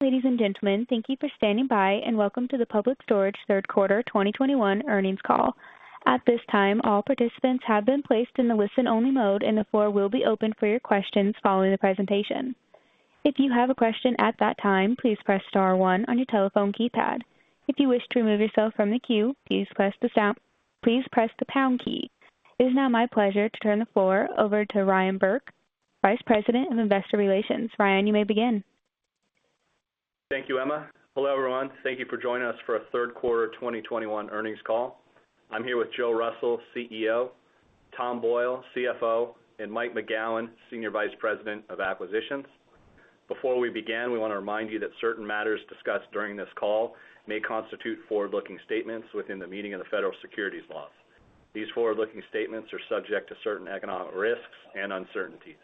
Ladies and gentlemen, thank you for standing by and welcome to the Public Storage third quarter 2021 earnings call. At this time, all participants have been placed in the listen-only mode, and the floor will be open for your questions following the presentation. If you have a question at that time, please press star one on your telephone keypad. If you wish to remove yourself from the queue, please press the pound key. It is now my pleasure to turn the floor over to Ryan Burke, Vice President of Investor Relations. Ryan, you may begin. Thank you, Emma. Hello, everyone. Thank you for joining us for our third quarter of 2021 earnings call. I'm here with Joe Russell, CEO, Tom Boyle, CFO, and Mike McGowan, Senior Vice President of Acquisitions. Before we begin, we wanna remind you that certain matters discussed during this call may constitute forward-looking statements within the meaning of the federal securities laws. These forward-looking statements are subject to certain economic risks and uncertainties.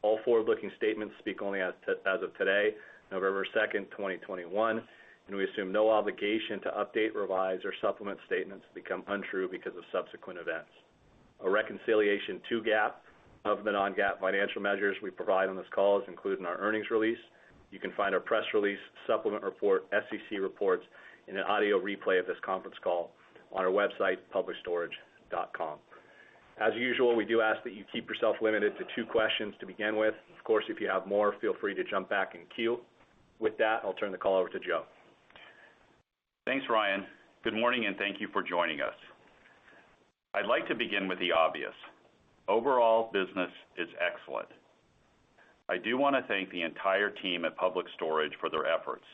All forward-looking statements speak only as of today, November 2nd, 2021, and we assume no obligation to update, revise or supplement statements that become untrue because of subsequent events. A reconciliation to GAAP of the non-GAAP financial measures we provide on this call is included in our earnings release. You can find our press release, supplement report, SEC reports, and an audio replay of this conference call on our website, publicstorage.com. As usual, we do ask that you keep yourself limited to two questions to begin with. Of course, if you have more, feel free to jump back in queue. With that, I'll turn the call over to Joe. Thanks, Ryan. Good morning, and thank you for joining us. I'd like to begin with the obvious. Overall business is excellent. I do wanna thank the entire team at Public Storage for their efforts.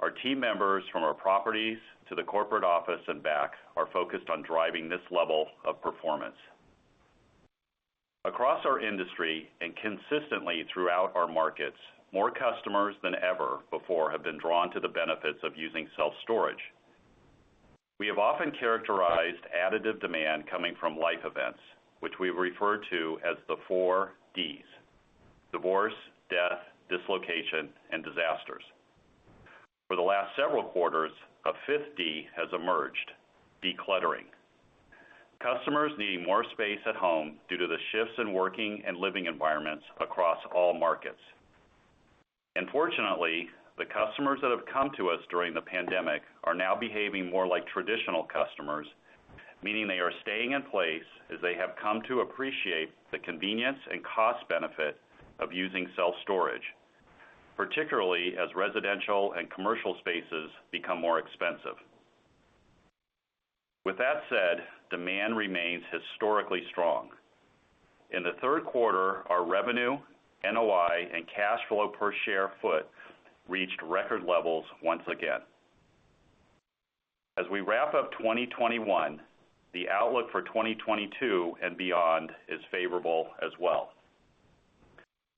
Our team members from our properties to the corporate office and back are focused on driving this level of performance. Across our industry and consistently throughout our markets, more customers than ever before have been drawn to the benefits of using self-storage. We have often characterized additive demand coming from life events, which we refer to as the Four D's, divorce, death, dislocation, and disasters. For the last several quarters, a fifth D has emerged, decluttering. Customers needing more space at home due to the shifts in working and living environments across all markets. Fortunately, the customers that have come to us during the pandemic are now behaving more like traditional customers, meaning they are staying in place as they have come to appreciate the convenience and cost benefit of using self-storage, particularly as residential and commercial spaces become more expensive. With that said, demand remains historically strong. In the third quarter, our revenue, NOI, and cash flow per square foot reached record levels once again. As we wrap up 2021, the outlook for 2022 and beyond is favorable as well.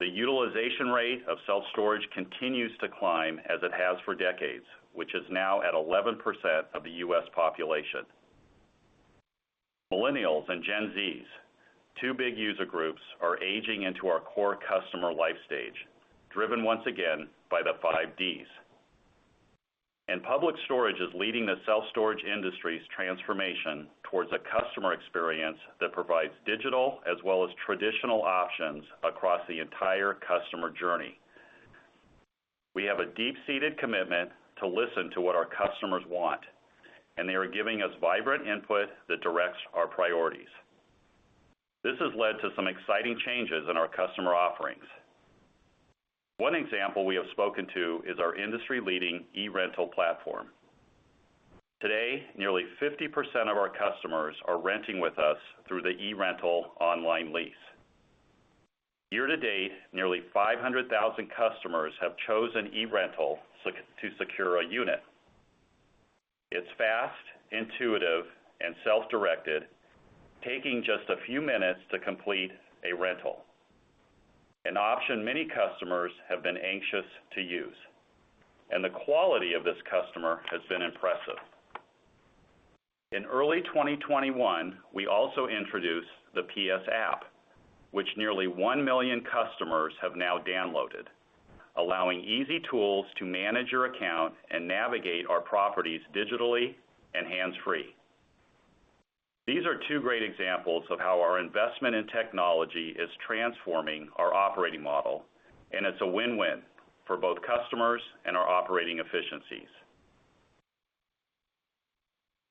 The utilization rate of self-storage continues to climb as it has for decades, which is now at 11% of the U.S. population. Millennials and Gen Z's, two big user groups, are aging into our core customer life stage, driven once again by the Five D's. Public Storage is leading the self-storage industry's transformation towards a customer experience that provides digital as well as traditional options across the entire customer journey. We have a deep-seated commitment to listen to what our customers want, and they are giving us vibrant input that directs our priorities. This has led to some exciting changes in our customer offerings. One example we have spoken to is our industry-leading eRental platform. Today, nearly 50% of our customers are renting with us through the eRental online lease. Year to date, nearly 500,000 customers have chosen eRental to secure a unit. It's fast, intuitive, and self-directed, taking just a few minutes to complete a rental, an option many customers have been anxious to use, and the quality of these customers has been impressive. In early 2021, we also introduced the PS app, which nearly 1 million customers have now downloaded, allowing easy tools to manage your account and navigate our properties digitally and hands-free. These are two great examples of how our investment in technology is transforming our operating model, and it's a win-win for both customers and our operating efficiencies.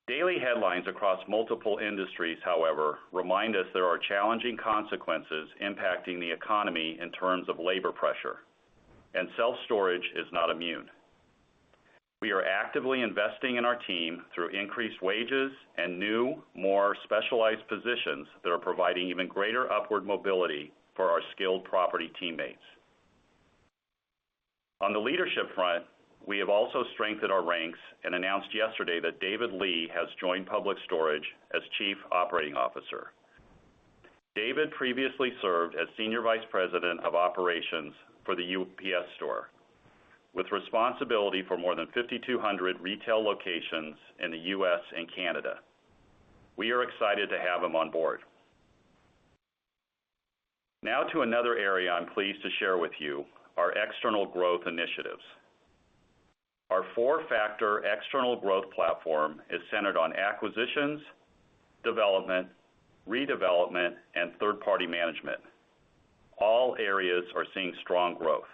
Daily headlines across multiple industries, however, remind us there are challenging consequences impacting the economy in terms of labor pressure, and self-storage is not immune. We are actively investing in our team through increased wages and new, more specialized positions that are providing even greater upward mobility for our skilled property teammates. On the leadership front, we have also strengthened our ranks and announced yesterday that David Lee has joined Public Storage as Chief Operating Officer. David previously served as Senior Vice President of Operations for The UPS Store, with responsibility for more than 5,200 retail locations in the U.S. and Canada. We are excited to have him on board. Now to another area I'm pleased to share with you, our external growth initiatives. Our four factor external growth platform is centered on acquisitions, development, redevelopment, and third party management. All areas are seeing strong growth.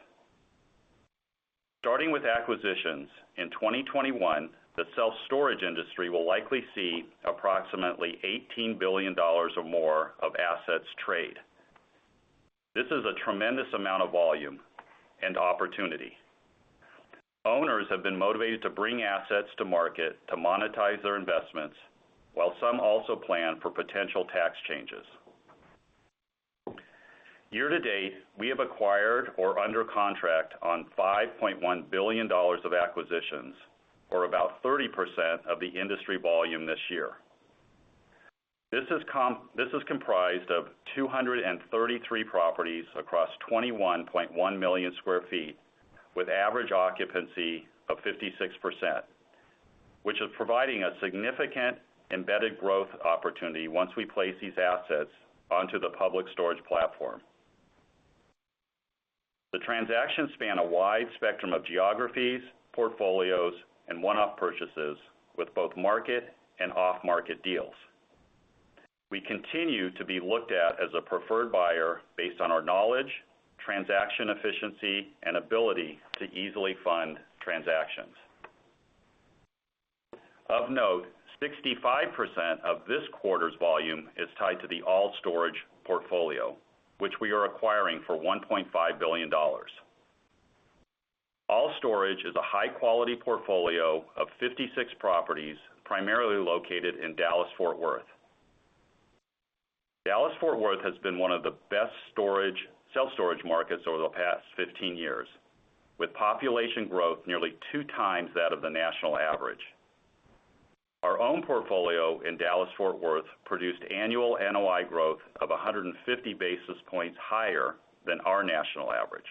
Starting with acquisitions, in 2021, the self-storage industry will likely see approximately $18 billion or more of assets trade. This is a tremendous amount of volume and opportunity. Owners have been motivated to bring assets to market to monetize their investments, while some also plan for potential tax changes. Year to date, we have acquired or under contract on $5.1 billion of acquisitions, or about 30% of the industry volume this year. This is comprised of 233 properties across 21.1 million sq ft, with average occupancy of 56%, which is providing a significant embedded growth opportunity once we place these assets onto the Public Storage platform. The transactions span a wide spectrum of geographies, portfolios, and one-off purchases with both market and off-market deals. We continue to be looked at as a preferred buyer based on our knowledge, transaction efficiency, and ability to easily fund transactions. Of note, 65% of this quarter's volume is tied to the All Storage portfolio, which we are acquiring for $1.5 billion. All Storage is a high-quality portfolio of 56 properties, primarily located in Dallas-Fort Worth. Dallas-Fort Worth has been one of the best self-storage markets over the past 15 years, with population growth nearly 2x that of the national average. Our own portfolio in Dallas-Fort Worth produced annual NOI growth of 150 basis points higher than our national average.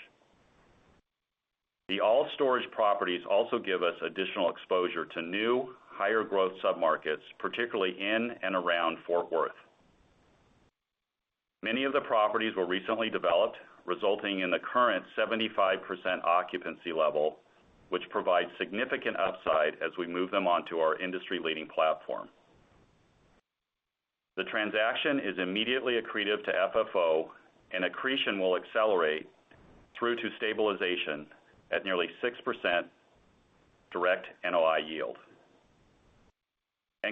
The All Storage properties also give us additional exposure to new, higher growth submarkets, particularly in and around Fort Worth. Many of the properties were recently developed, resulting in the current 75% occupancy level, which provides significant upside as we move them onto our industry-leading platform. The transaction is immediately accretive to FFO, and accretion will accelerate through to stabilization at nearly 6% direct NOI yield.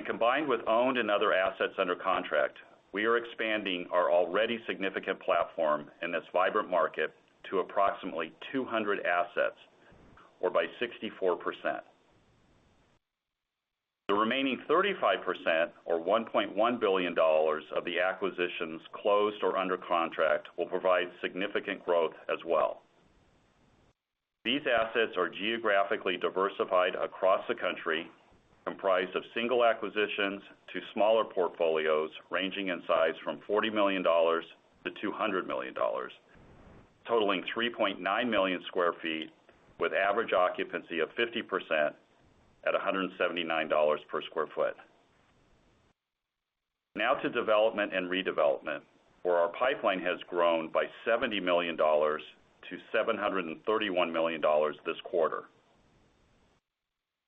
Combined with owned and other assets under contract, we are expanding our already significant platform in this vibrant market to approximately 200 assets or by 64%. The remaining 35% or $1.1 billion of the acquisitions closed or under contract will provide significant growth as well. These assets are geographically diversified across the country, comprised of single acquisitions to smaller portfolios ranging in size from $40 million-$200 million, totaling 3.9 million sq ft with average occupancy of 50% at $179 per sq ft. Now to development and redevelopment, where our pipeline has grown by $70 million to $731 million this quarter.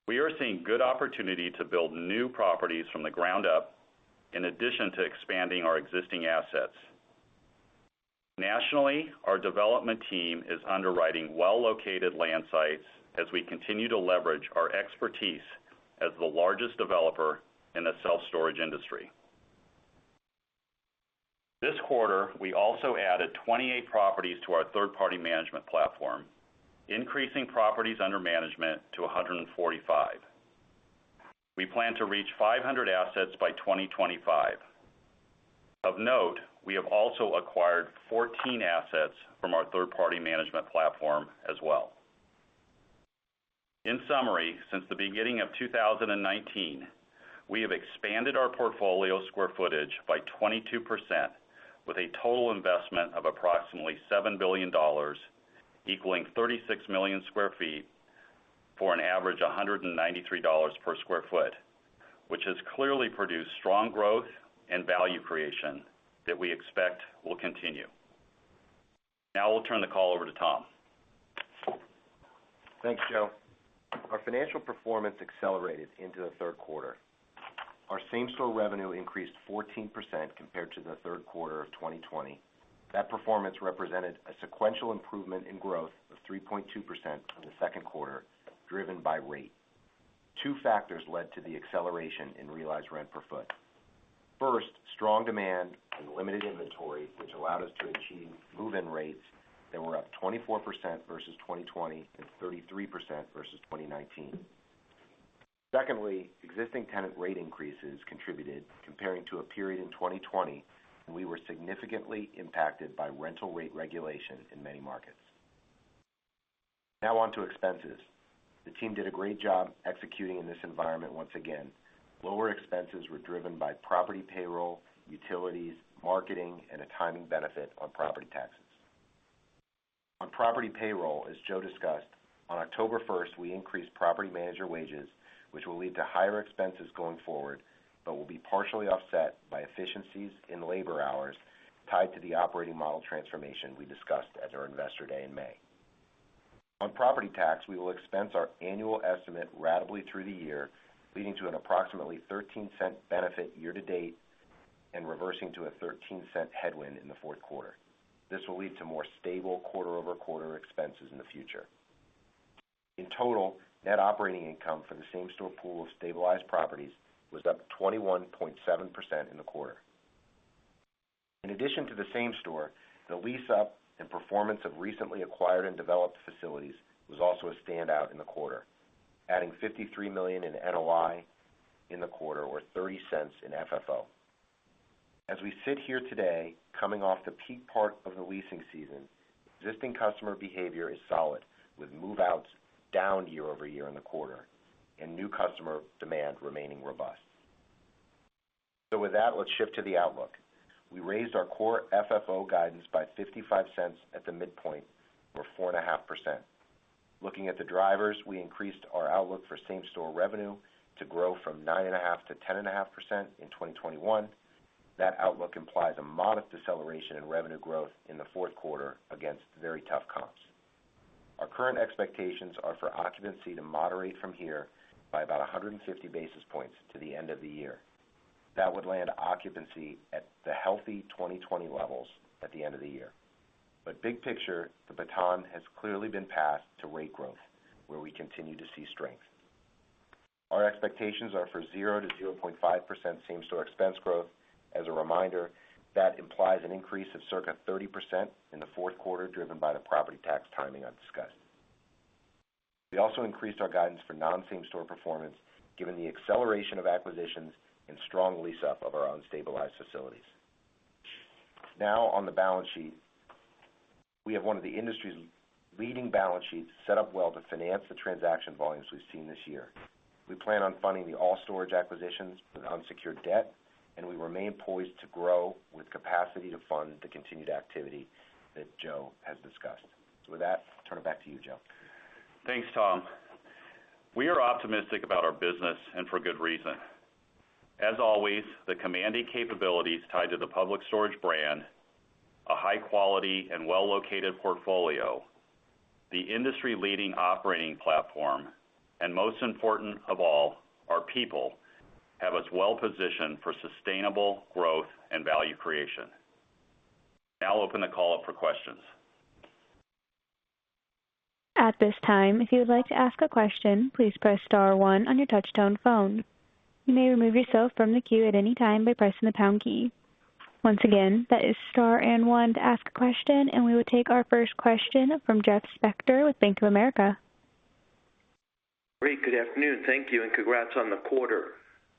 We are seeing good opportunity to build new properties from the ground up in addition to expanding our existing assets. Nationally, our development team is underwriting well-located land sites as we continue to leverage our expertise as the largest developer in the self-storage industry. This quarter, we also added 28 properties to our third-party management platform, increasing properties under management to 145. We plan to reach 500 assets by 2025. Of note, we have also acquired 14 assets from our third-party management platform as well. In summary, since the beginning of 2019, we have expanded our portfolio square footage by 22% with a total investment of approximately $7 billion, equaling 36 million sq ft for an average of $193 per sq ft, which has clearly produced strong growth and value creation that we expect will continue. Now I'll turn the call over to Tom. Thanks, Joe. Our financial performance accelerated into the third quarter. Our same-store revenue increased 14% compared to the third quarter of 2020. That performance represented a sequential improvement in growth of 3.2% from the second quarter, driven by rate. Two factors led to the acceleration in realized rent per foot. First, strong demand and limited inventory, which allowed us to achieve move-in rates that were up 24% versus 2020 and 33% versus 2019. Secondly, existing tenant rate increases contributed compared to a period in 2020, and we were significantly impacted by rental rate regulation in many markets. Now on to expenses. The team did a great job executing in this environment once again. Lower expenses were driven by property payroll, utilities, marketing, and a timing benefit on property taxes. On property payroll, as Joe discussed, on October 1st, we increased property manager wages, which will lead to higher expenses going forward, but will be partially offset by efficiencies in labor hours tied to the operating model transformation we discussed at our Investor Day in May. On property tax, we will expense our annual estimate ratably through the year, leading to an approximately $0.13 benefit year-to-date and reversing to a $0.13 headwind in the fourth quarter. This will lead to more stable quarter-over-quarter expenses in the future. In total, net operating income for the same-store pool of stabilized properties was up 21.7% in the quarter. In addition to the same-store, the lease-up and performance of recently acquired and developed facilities was also a standout in the quarter, adding $53 million in NOI in the quarter, or $0.30 in FFO. As we sit here today, coming off the peak part of the leasing season, existing customer behavior is solid, with move-outs down year over year in the quarter and new customer demand remaining robust. With that, let's shift to the outlook. We raised our core FFO guidance by $0.55 at the midpoint or 4.5%. Looking at the drivers, we increased our outlook for same-store revenue to grow 9.5%-10.5% in 2021. That outlook implies a modest deceleration in revenue growth in the fourth quarter against very tough comps. Our current expectations are for occupancy to moderate from here by about 150 basis points to the end of the year. That would land occupancy at the healthy 2020 levels at the end of the year. Big picture, the baton has clearly been passed to rate growth, where we continue to see strength. Our expectations are for 0%-0.5% same-store expense growth. As a reminder, that implies an increase of circa 30% in the fourth quarter, driven by the property tax timing I've discussed. We also increased our guidance for non-same store performance given the acceleration of acquisitions and strong lease up of our own stabilized facilities. Now on the balance sheet. We have one of the industry's leading balance sheets set up well to finance the transaction volumes we've seen this year. We plan on funding the All Storage acquisitions with unsecured debt, and we remain poised to grow with capacity to fund the continued activity that Joe has discussed. With that, I'll turn it back to you, Joe. Thanks, Tom. We are optimistic about our business and for good reason. As always, the commanding capabilities tied to the Public Storage brand, a high quality and well-located portfolio, the industry leading operating platform, and most important of all, our people, have us well positioned for sustainable growth and value creation. Now I'll open the call up for questions. At this time, if you would like to ask a question, please press star one on your touchtone phone. You may remove yourself from the queue at any time by pressing the pound key. Once again, that is star and one to ask a question, and we will take our first question from Jeff Spector with Bank of America. Great. Good afternoon. Thank you and congrats on the quarter.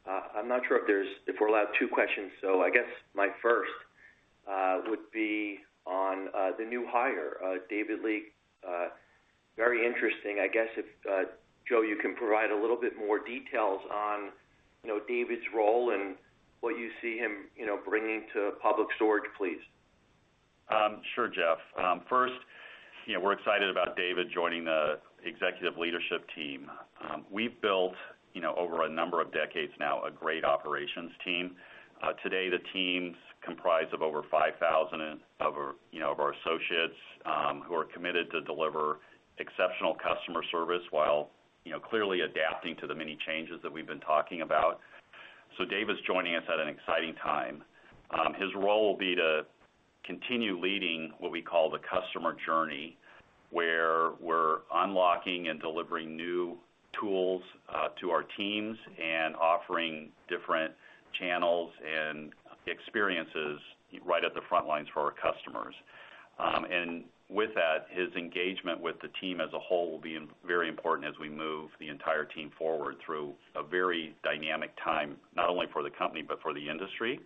I'm not sure if we're allowed two questions, so I guess my first would be on the new hire, David Lee. Very interesting. I guess if, Joe, you can provide a little bit more details on, you know, David's role and what you see him, you know, bringing to Public Storage, please. Sure, Jeff. First, you know, we're excited about David joining the Executive Leadership Team. We've built, you know, over a number of decades now, a great operations team. Today, the team's comprised of over 5,000 of our, you know, of our associates, who are committed to deliver exceptional customer service while, you know, clearly adapting to the many changes that we've been talking about. David's joining us at an exciting time. His role will be to continue leading what we call the customer journey, where we're unlocking and delivering new tools to our teams and offering different channels and experiences right at the front lines for our customers. With that, his engagement with the team as a whole will be very important as we move the entire team forward through a very dynamic time, not only for the company, but for the industry.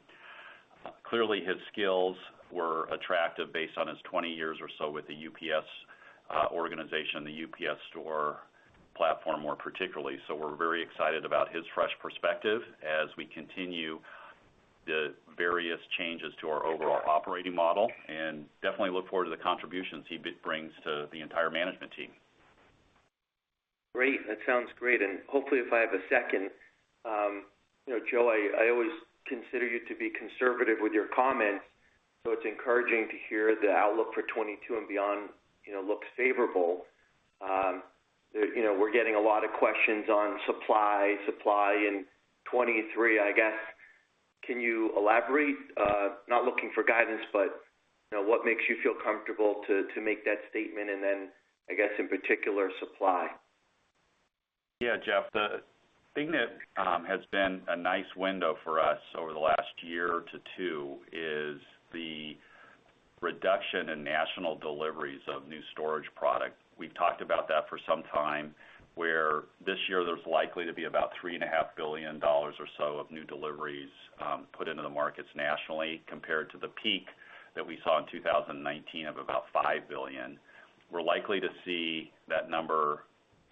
Clearly, his skills were attractive based on his 20 years or so with the UPS organization, the UPS Store platform, more particularly. We're very excited about his fresh perspective as we continue the various changes to our overall operating model, and definitely look forward to the contributions he brings to the entire management team. Great. That sounds great. Hopefully, if I have a second, you know, Joe, I always consider you to be conservative with your comments, so it's encouraging to hear the outlook for 2022 and beyond, you know, look favorable. You know, we're getting a lot of questions on supply in 2023, I guess. Can you elaborate? Not looking for guidance, but, you know, what makes you feel comfortable to make that statement and then, I guess, in particular, supply? Yeah, Jeff. The thing that has been a nice window for us over the last year to two is the reduction in national deliveries of new storage product. We've talked about that for some time, where this year there's likely to be about $3.5 billion or so of new deliveries put into the markets nationally, compared to the peak that we saw in 2019 of about $5 billion. We're likely to see that number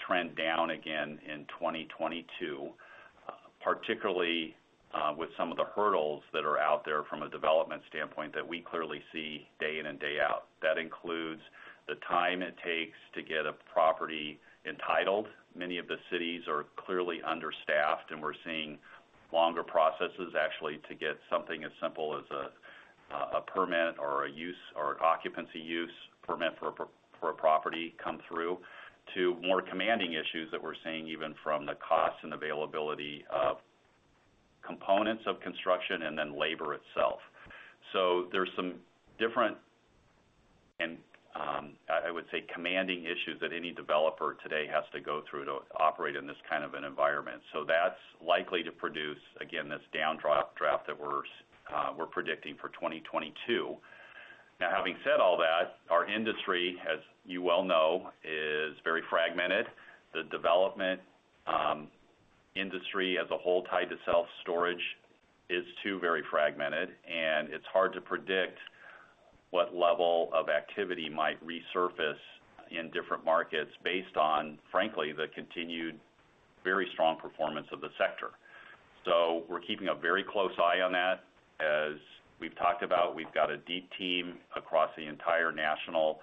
trend down again in 2022, particularly with some of the hurdles that are out there from a development standpoint that we clearly see day in and day out. That includes the time it takes to get a property entitled. Many of the cities are clearly understaffed, and we're seeing longer processes actually to get something as simple as a permit or a use or occupancy permit for a property come through. To more demanding issues that we're seeing, even from the cost and availability of components of construction and then labor itself. There's some different and, I would say demanding issues that any developer today has to go through to operate in this kind of an environment. That's likely to produce, again, this downdraft that we're predicting for 2022. Now, having said all that, our industry, as you well know, is very fragmented. The development industry as a whole tied to self-storage is so very fragmented, and it's hard to predict what level of activity might resurface in different markets based on, frankly, the continued very strong performance of the sector. We're keeping a very close eye on that. As we've talked about, we've got a deep team across the entire national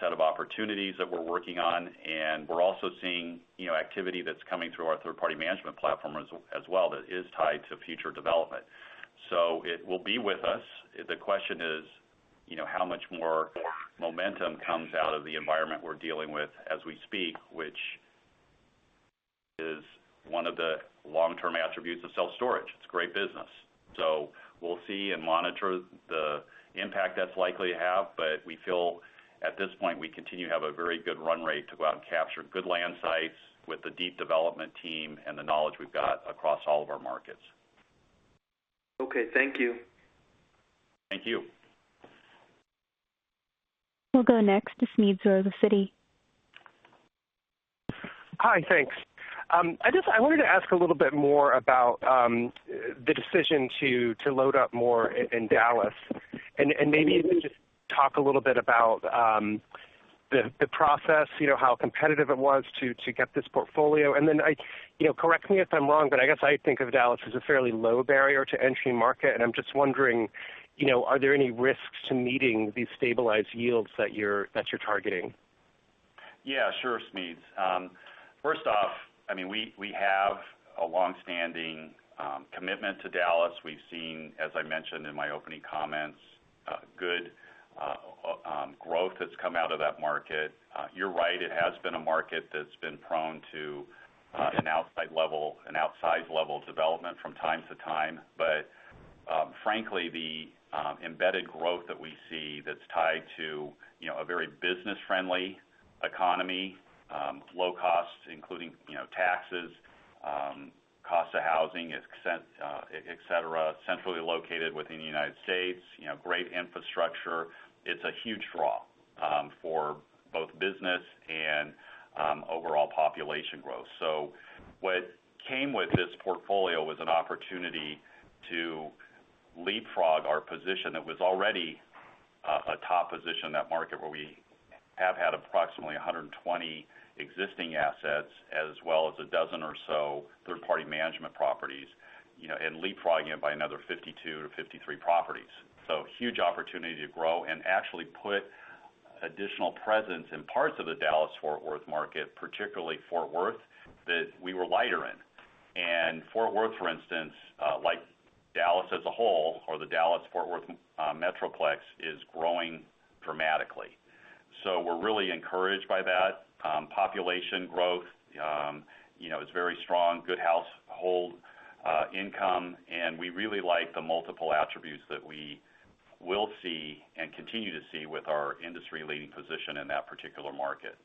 set of opportunities that we're working on, and we're also seeing, you know, activity that's coming through our third-party management platform as well that is tied to future development. It will be with us. The question is, you know, how much more momentum comes out of the environment we're dealing with as we speak, which is one of the long-term attributes of self-storage. It's great business. We'll see and monitor the impact that's likely to have, but we feel at this point, we continue to have a very good run rate to go out and capture good land sites with the deep development team and the knowledge we've got across all of our markets. Okay, thank you. Thank you. We'll go next to Smedes Rose with Citi. Hi. Thanks. I wanted to ask a little bit more about the decision to load up more in Dallas, and maybe even just talk a little bit about the process, you know, how competitive it was to get this portfolio. Then, you know, correct me if I'm wrong, but I guess I think of Dallas as a fairly low barrier to entry market, and I'm just wondering, you know, are there any risks to meeting these stabilized yields that you're targeting? Yeah, sure, Smedes. First off, I mean, we have a long-standing commitment to Dallas. We've seen, as I mentioned in my opening comments, good growth that's come out of that market. You're right, it has been a market that's been prone to an outsized level of development from time to time. Frankly, the embedded growth that we see that's tied to, you know, a very business-friendly economy, low costs, including, you know, taxes, cost of housing, et cetera, centrally located within the United States, you know, great infrastructure. It's a huge draw for both business and overall population growth. What came with this portfolio was an opportunity to leapfrog our position. It was already a top position in that market where we have had approximately 120 existing assets, as well as a dozen or so third-party management properties, you know, and leapfrogging it by another 52-53 properties. Huge opportunity to grow and actually put additional presence in parts of the Dallas-Fort Worth market, particularly Fort Worth, that we were lighter in. Fort Worth, for instance, like Dallas as a whole or the Dallas-Fort Worth metroplex, is growing dramatically. We're really encouraged by that. Population growth, you know, is very strong, good household income, and we really like the multiple attributes that we will see and continue to see with our industry-leading position in that particular market.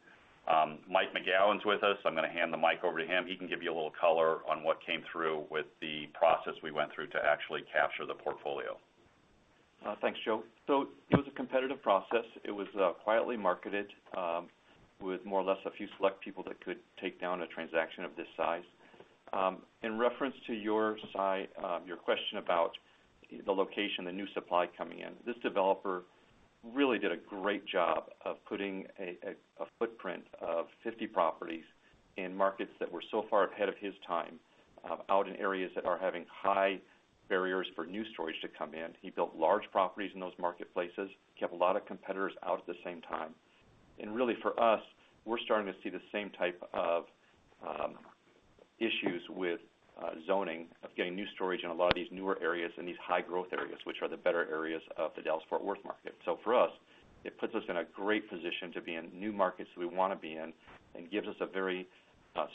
Mike McGowan's with us. I'm gonna hand the mic over to him. He can give you a little color on what came through with the process we went through to actually capture the portfolio. Thanks, Joe. It was a competitive process. It was quietly marketed with more or less a few select people that could take down a transaction of this size. In reference to your question about the location, the new supply coming in, this developer really did a great job of putting a footprint of 50 properties in markets that were so far ahead of his time out in areas that are having high barriers for new storage to come in. He built large properties in those marketplaces, kept a lot of competitors out at the same time. Really for us, we're starting to see the same type of issues with zoning of getting new storage in a lot of these newer areas and these high-growth areas, which are the better areas of the Dallas-Fort Worth market. For us, it puts us in a great position to be in new markets we wanna be in and gives us a very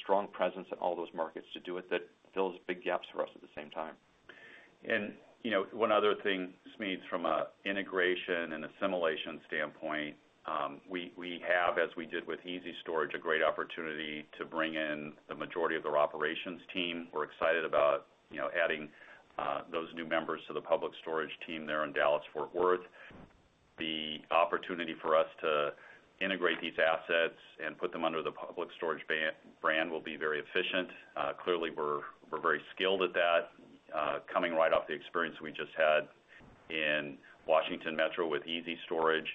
strong presence in all those markets to do it that fills big gaps for us at the same time. You know, one other thing, Smedes, from an integration and assimilation standpoint, we have, as we did with ezStorage, a great opportunity to bring in the majority of their operations team. We're excited about, you know, adding those new members to the Public Storage team there in Dallas-Fort Worth. The opportunity for us to integrate these assets and put them under the Public Storage brand will be very efficient. Clearly, we're very skilled at that, coming right off the experience we just had in Washington Metro with ezStorage.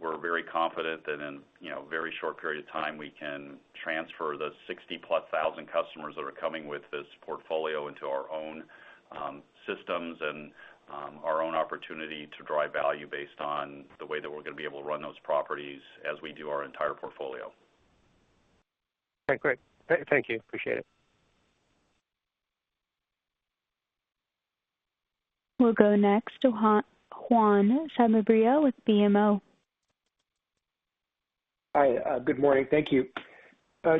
We're very confident that in you know a very short period of time, we can transfer the 60,000+ customers that are coming with this portfolio into our own systems and our own opportunity to drive value based on the way that we're gonna be able to run those properties as we do our entire portfolio. Okay, great. Thank you. Appreciate it. We'll go next to Juan Sanabria with BMO. Hi, good morning. Thank you.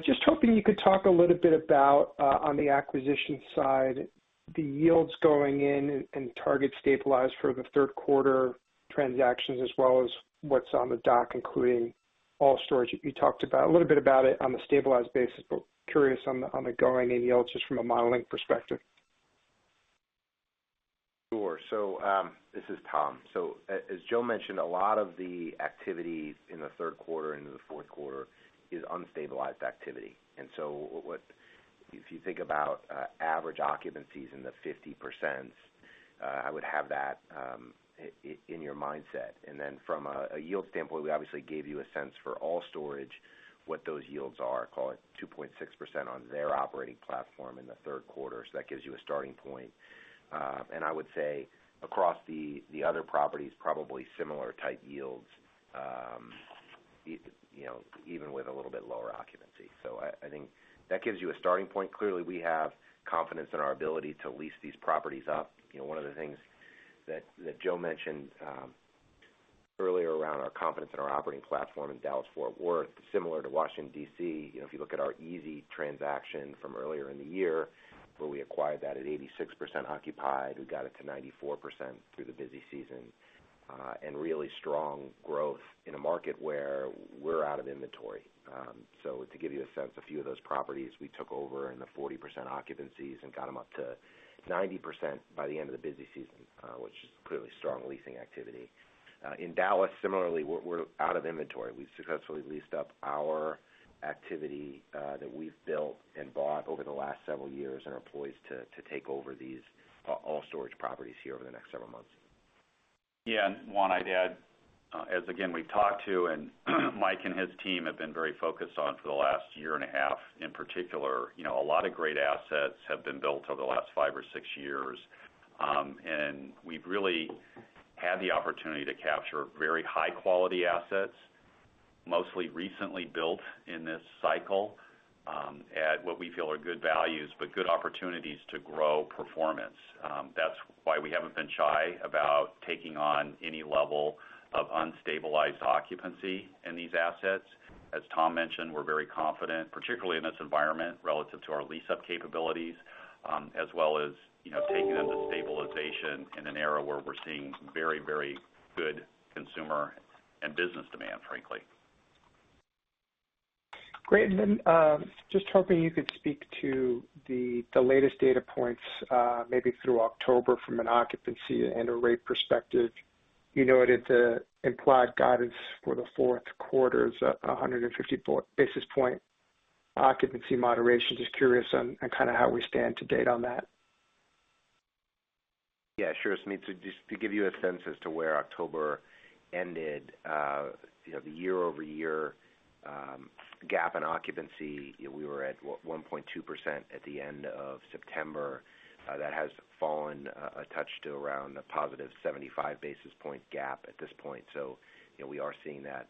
Just hoping you could talk a little bit about on the acquisition side, the yields going in and target stabilized for the third quarter transactions, as well as what's on the docket, including All Storage. You talked about a little bit about it on the stabilized basis, but I'm curious on the going-in yields just from a modeling perspective. Sure. This is Tom. As Joe mentioned, a lot of the activity in the third quarter into the fourth quarter is unstabilized activity. What if you think about average occupancies in the 50%, I would have that in your mindset. Then from a yield standpoint, we obviously gave you a sense for All Storage, what those yields are, call it 2.6% on their operating platform in the third quarter. That gives you a starting point. I would say across the other properties, probably similar type yields, you know, even with a little bit lower occupancy. I think that gives you a starting point. Clearly, we have confidence in our ability to lease these properties up. You know, one of the things that Joe mentioned earlier around our confidence in our operating platform in Dallas-Fort Worth, similar to Washington, D.C. You know, if you look at our EZ transaction from earlier in the year, where we acquired that at 86% occupied, we got it to 94% through the busy season, and really strong growth in a market where we're out of inventory. To give you a sense, a few of those properties we took over in the 40% occupancies and got them up to 90% by the end of the busy season, which is clearly strong leasing activity. In Dallas, similarly, we're out of inventory. We successfully leased up our facilities that we've built and bought over the last several years and are poised to take over these All Storage properties here over the next several months. Yeah. Juan, I'd add, as again, we've talked to and Mike and his team have been very focused on for the last year and a half, in particular, you know, a lot of great assets have been built over the last five or six years. And we've really had the opportunity to capture very high-quality assets, mostly recently built in this cycle, at what we feel are good values, but good opportunities to grow performance. That's why we haven't been shy about taking on any level of unstabilized occupancy in these assets. As Tom mentioned, we're very confident, particularly in this environment, relative to our lease-up capabilities, as well as, you know, taking in the stabilization in an era where we're seeing very, very good consumer and business demand, frankly. Great. Just hoping you could speak to the latest data points, maybe through October from an occupancy and a rate perspective. You noted the implied guidance for the fourth quarter is a 154 basis point occupancy moderation. Just curious on kind of how we stand to date on that. Yeah, sure. Maybe just to give you a sense as to where October ended, you know, the year-over-year gap in occupancy, you know, we were at 1.2% at the end of September. That has fallen a touch to around a positive 75 basis points gap at this point. You know, we are seeing that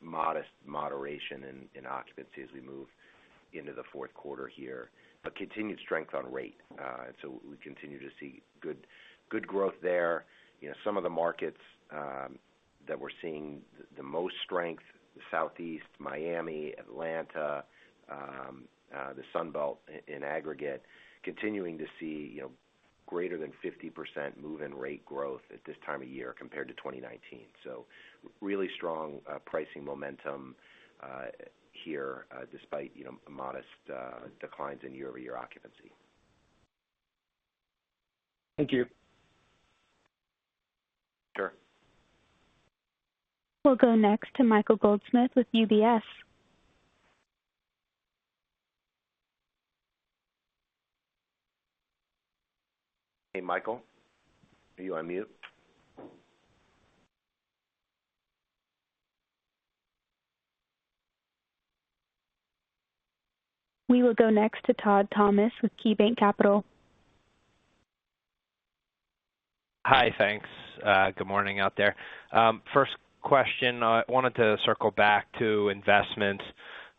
modest moderation in occupancy as we move into the fourth quarter here. Continued strength on rate. We continue to see good growth there. You know, some of the markets that we're seeing the most strength, the Southeast, Miami, Atlanta, the Sun Belt in aggregate, continuing to see, you know, greater than 50% move-in rate growth at this time of year compared to 2019. Really strong pricing momentum here despite you know modest declines in year-over-year occupancy. Thank you. Sure. We'll go next to Michael Goldsmith with UBS. Hey, Michael, are you on mute? We will go next to Todd Thomas with KeyBanc Capital. Hi, thanks. Good morning out there. First question, I wanted to circle back to investments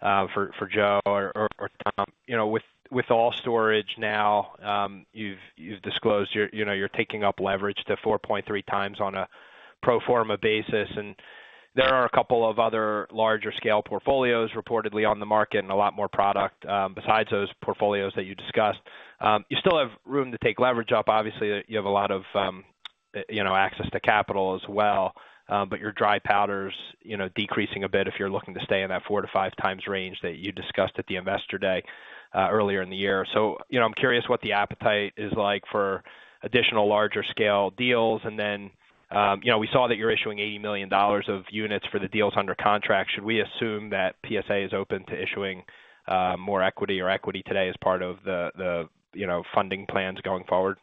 for Joe or Tom. You know, with All Storage now, you've disclosed you're taking up leverage to 4.3x on a pro forma basis. There are a couple of other larger scale portfolios reportedly on the market and a lot more product besides those portfolios that you discussed. You still have room to take leverage up. Obviously, you have a lot of access to capital as well. Your dry powder's decreasing a bit if you're looking to stay in that 4x to 5x range that you discussed at the Investor Day earlier in the year. You know, I'm curious what the appetite is like for additional larger scale deals. You know, we saw that you're issuing $80 million of units for the deals under contract. Should we assume that PSA is open to issuing more equity or equity today as part of the funding plans going forward?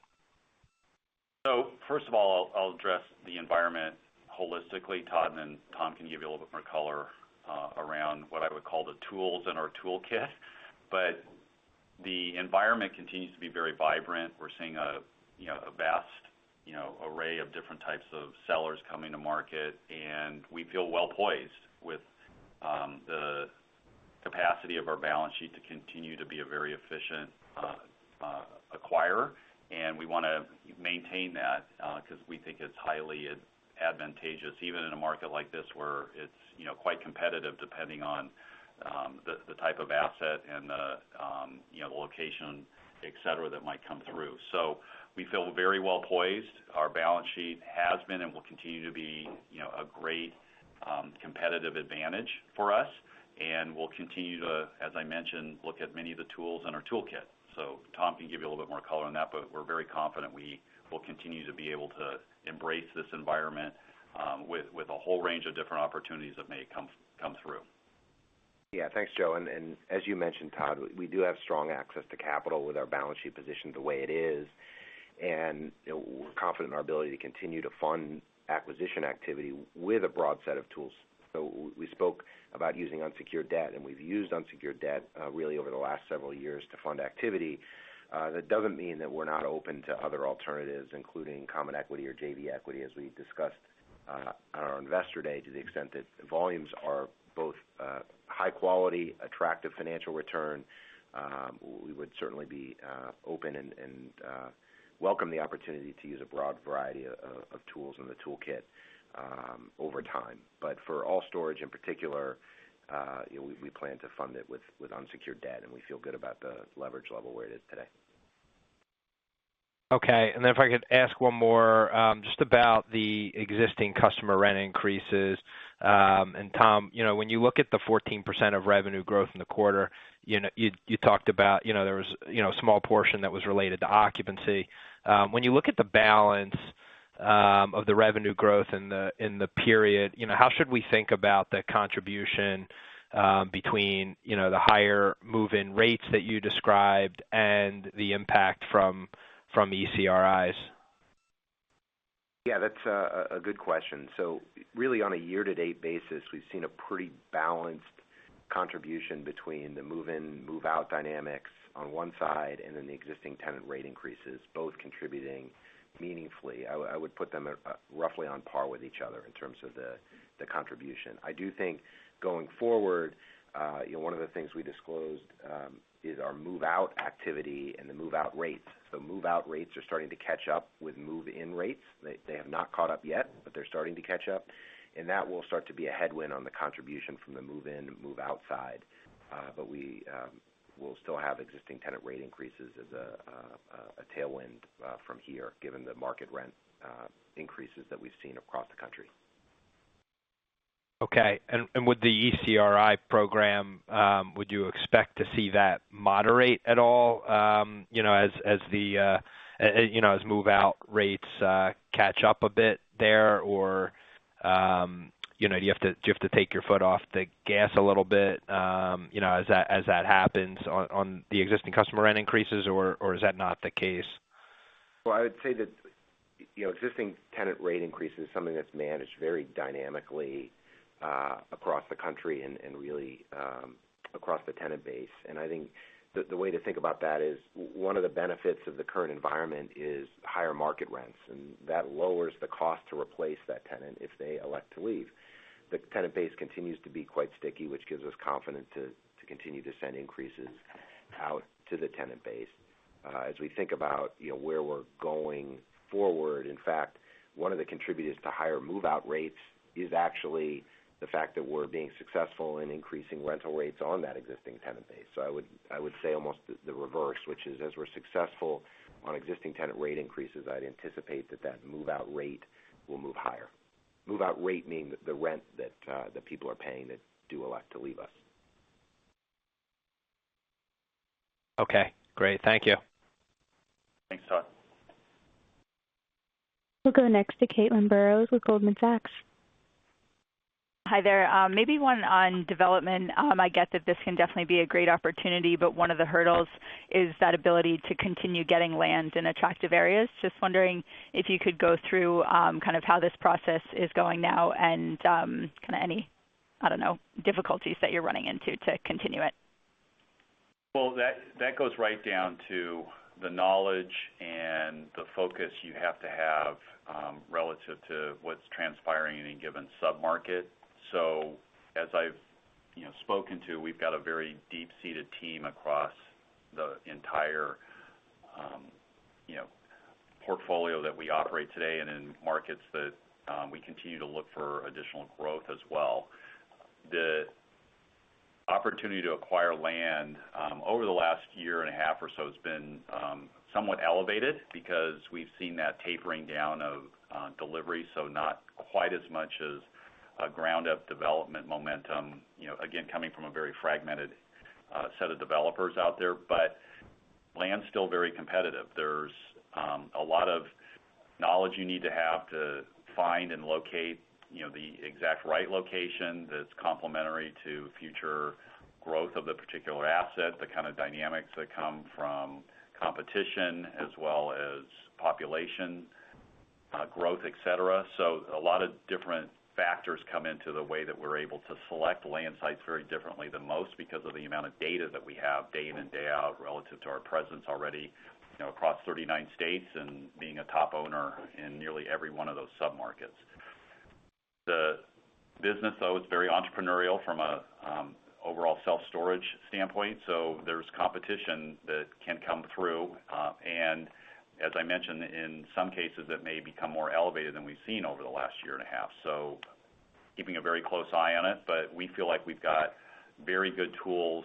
First of all, I'll address the environment holistically, Todd, and then Tom can give you a little bit more color around what I would call the tools in our toolkit. The environment continues to be very vibrant. We're seeing a, you know, a vast, you know, array of different types of sellers coming to market, and we feel well-poised with the capacity of our balance sheet to continue to be a very efficient acquirer, and we wanna maintain that because we think it's highly advantageous, even in a market like this where it's, you know, quite competitive depending on the type of asset and the, you know, the location, et cetera, that might come through. We feel very well poised. Our balance sheet has been and will continue to be, you know, a great, competitive advantage for us, and we'll continue to, as I mentioned, look at many of the tools in our toolkit. Tom can give you a little bit more color on that, but we're very confident we will continue to be able to embrace this environment, with a whole range of different opportunities that may come through. Yeah. Thanks, Joe. As you mentioned, Todd, we do have strong access to capital with our balance sheet position the way it is, and we're confident in our ability to continue to fund acquisition activity with a broad set of tools. We spoke about using unsecured debt, and we've used unsecured debt really over the last several years to fund activity. That doesn't mean that we're not open to other alternatives, including common equity or JV equity, as we discussed on our Investor Day, to the extent that volumes are both high quality, attractive financial return, we would certainly be open and welcome the opportunity to use a broad variety of tools in the toolkit over time. For All Storage in particular, you know, we plan to fund it with unsecured debt, and we feel good about the leverage level where it is today. Okay. If I could ask one more, just about the existing customer rent increases. Tom, you know, when you look at the 14% of revenue growth in the quarter, you know, you talked about, you know, there was, you know, a small portion that was related to occupancy. When you look at the balance of the revenue growth in the period, you know, how should we think about the contribution between, you know, the higher move-in rates that you described and the impact from ECRIs? Yeah, that's a good question. Really on a year-to-date basis, we've seen a pretty balanced contribution between the move-in, move-out dynamics on one side and then the existing tenant rate increases, both contributing meaningfully. I would put them roughly on par with each other in terms of the contribution. I do think going forward, you know, one of the things we disclosed is our move-out activity and the move-out rates. The move-out rates are starting to catch up with move-in rates. They have not caught up yet, but they're starting to catch up, and that will start to be a headwind on the contribution from the move-in and move-out side. We will still have existing tenant rate increases as a tailwind from here, given the market rent increases that we've seen across the country. With the ECRI program, would you expect to see that moderate at all, you know, as the move-out rates catch up a bit there? Or you know, do you have to take your foot off the gas a little bit, you know, as that happens on the existing customer rent increases, or is that not the case? Well, I would say that, you know, existing tenant rate increase is something that's managed very dynamically across the country and really across the tenant base. I think the way to think about that is one of the benefits of the current environment is higher market rents, and that lowers the cost to replace that tenant if they elect to leave. The tenant base continues to be quite sticky, which gives us confidence to continue to send increases out to the tenant base. As we think about, you know, where we're going forward, in fact, one of the contributors to higher move-out rates is actually the fact that we're being successful in increasing rental rates on that existing tenant base. I would say almost the reverse, which is as we're successful on existing tenant rate increases, I'd anticipate that move-out rate will move higher. Move-out rate meaning the rent that people are paying that do elect to leave us. Okay, great. Thank you. Thanks, Todd. We'll go next to Caitlin Burrows with Goldman Sachs. Hi there. Maybe one on development. I get that this can definitely be a great opportunity, but one of the hurdles is that ability to continue getting land in attractive areas. Just wondering if you could go through, kind of how this process is going now and, kind of any, I don't know, difficulties that you're running into to continue it. Well, that goes right down to the knowledge and the focus you have to have, relative to what's transpiring in any given sub-market. As I've, you know, spoken to, we've got a very deep-seated team across the entire, you know, portfolio that we operate today and in markets that, we continue to look for additional growth as well. The opportunity to acquire land, over the last year and a half or so has been, somewhat elevated because we've seen that tapering down of, delivery, so not quite as much as a ground-up development momentum, you know, again, coming from a very fragmented, set of developers out there. Land's still very competitive. There's a lot of knowledge you need to have to find and locate, you know, the exact right location that's complementary to future growth of the particular asset, the kind of dynamics that come from competition as well as population, growth, et cetera. A lot of different factors come into the way that we're able to select land sites very differently than most because of the amount of data that we have day in and day out relative to our presence already, you know, across 39 states and being a top owner in nearly every one of those sub-markets. The business though is very entrepreneurial from a, overall self-storage standpoint, so there's competition that can come through. As I mentioned, in some cases, it may become more elevated than we've seen over the last year and a half. Keeping a very close eye on it, but we feel like we've got very good tools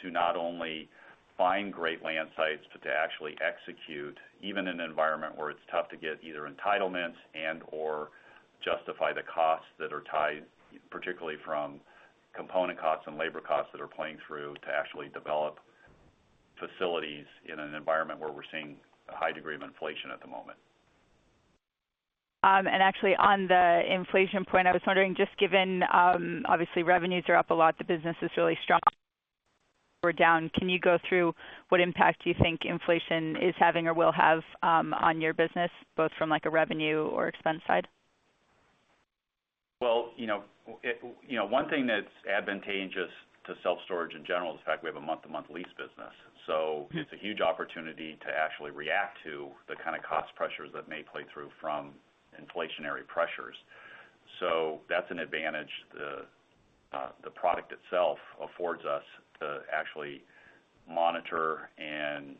to not only find great land sites, but to actually execute even in an environment where it's tough to get either entitlements and/or justify the costs that are tied, particularly from component costs and labor costs that are playing through to actually develop facilities in an environment where we're seeing a high degree of inflation at the moment. Actually on the inflation point, I was wondering, just given obviously revenues are up a lot, the business is really strong overall. Can you go through what impact do you think inflation is having or will have on your business, both from like a revenue or expense side? Well, you know, you know, one thing that's advantageous to self-storage in general is the fact we have a month-to-month lease business. It's a huge opportunity to actually react to the kinda cost pressures that may play through from inflationary pressures. That's an advantage the product itself affords us to actually monitor and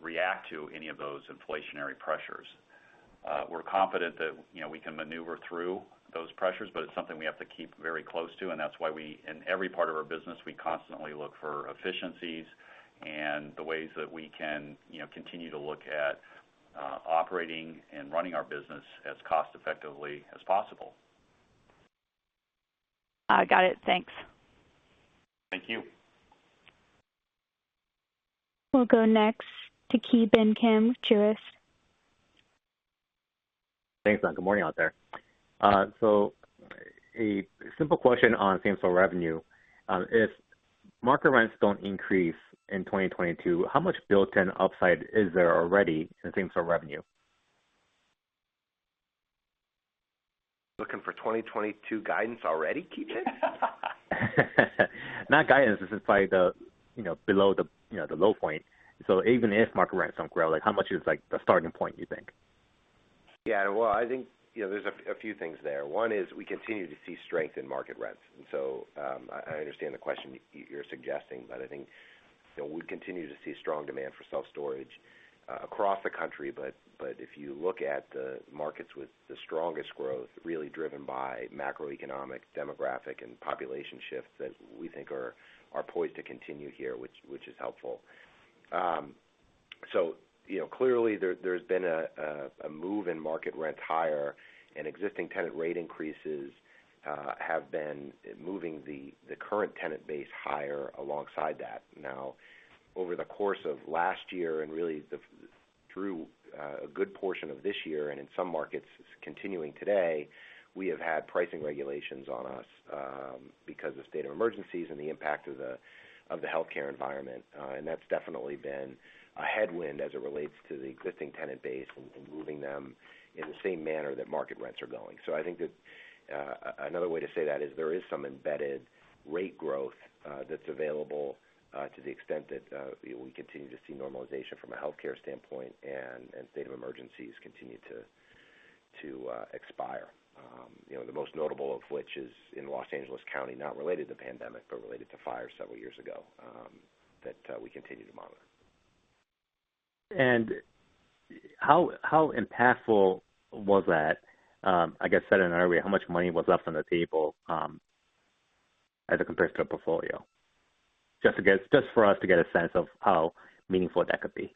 react to any of those inflationary pressures. We're confident that, you know, we can maneuver through those pressures, but it's something we have to keep very close to, and that's why we, in every part of our business, constantly look for efficiencies and the ways that we can, you know, continue to look at operating and running our business as cost effectively as possible. I got it. Thanks. Thank you. We'll go next to Ki Bin Kim, Truist. Thanks, hon. Good morning out there. A simple question on same-store revenue. If market rents don't increase in 2022, how much built-in upside is there already in same-store revenue? Looking for 2022 guidance already, Ki Bin? Not guidance, this is below the, you know, low point. Even if market rents don't grow, like how much is like the starting point, you think? Yeah. Well, I think, you know, there's a few things there. One is we continue to see strength in market rents. I understand the question you're suggesting, but I think, you know, we continue to see strong demand for self-storage across the country, but if you look at the markets with the strongest growth, really driven by macroeconomic, demographic, and population shifts that we think are poised to continue here, which is helpful. You know, clearly, there's been a move in market rent higher and existing tenant rate increases have been moving the current tenant base higher alongside that. Now, over the course of last year and really through a good portion of this year and in some markets continuing today, we have had pricing regulations on us, because of state of emergencies and the impact of the healthcare environment. That's definitely been a headwind as it relates to the existing tenant base and moving them in the same manner that market rents are going. I think that another way to say that is there is some embedded rate growth that's available to the extent that you know we continue to see normalization from a healthcare standpoint and state of emergencies continue to expire. You know, the most notable of which is in Los Angeles County, not related to pandemic, but related to fire several years ago, that we continue to monitor. How impactful was that? I guess said another way, how much money was left on the table as it compares to a portfolio? Just for us to get a sense of how meaningful that could be.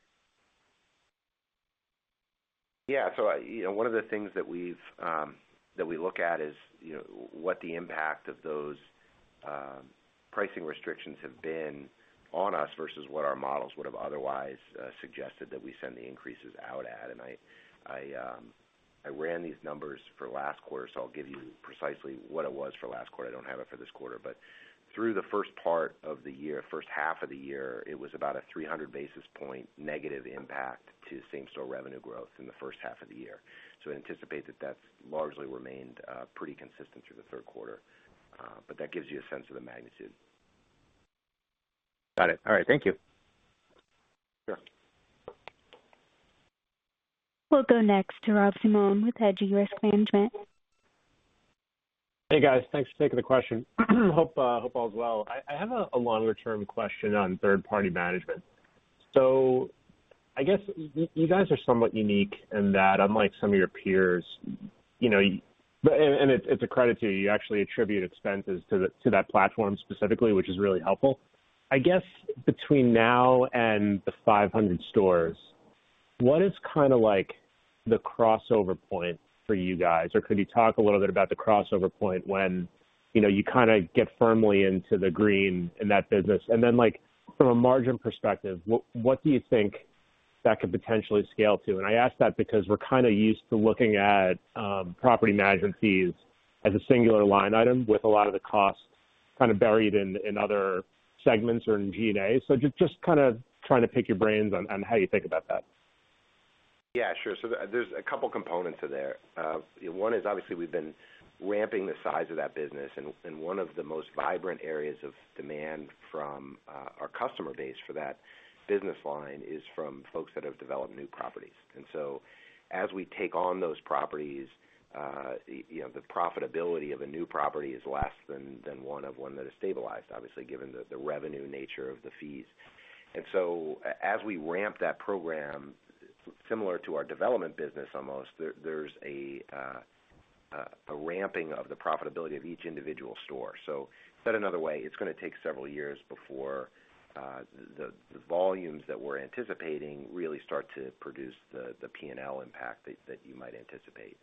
Yeah. You know, one of the things that we've that we look at is, you know, what the impact of those pricing restrictions have been on us versus what our models would have otherwise suggested that we send the increases out at. I ran these numbers for last quarter, so I'll give you precisely what it was for last quarter. I don't have it for this quarter. Through the first part of the year, first half of the year, it was about a 300 basis point negative impact to same-store revenue growth in the first half of the year. I anticipate that that's largely remained pretty consistent through the third quarter. That gives you a sense of the magnitude. Got it. All right. Thank you. Sure. We'll go next to Rob Simone with Hedgeye Risk Management. Hey, guys. Thanks for taking the question. Hope all is well. I have a longer term question on third-party management. I guess you guys are somewhat unique in that unlike some of your peers, you know, and it's a credit to you. You actually attribute expenses to that platform specifically, which is really helpful. I guess between now and the 500 stores, what is kinda like the crossover point for you guys? Or could you talk a little bit about the crossover point when you kinda get firmly into the green in that business? Then, like from a margin perspective, what do you think that could potentially scale to? I ask that because we're kinda used to looking at property management fees as a singular line item with a lot of the costs kind of buried in other segments or in G&A. Just kinda trying to pick your brains on how you think about that. Yeah, sure. There's a couple components there. One is obviously we've been ramping the size of that business, and one of the most vibrant areas of demand from our customer base for that business line is from folks that have developed new properties. As we take on those properties, you know, the profitability of a new property is less than one that is stabilized, obviously, given the revenue nature of the fees. As we ramp that program similar to our development business almost, there's a ramping of the profitability of each individual store. Said another way, it's gonna take several years before the volumes that we're anticipating really start to produce the P&L impact that you might anticipate.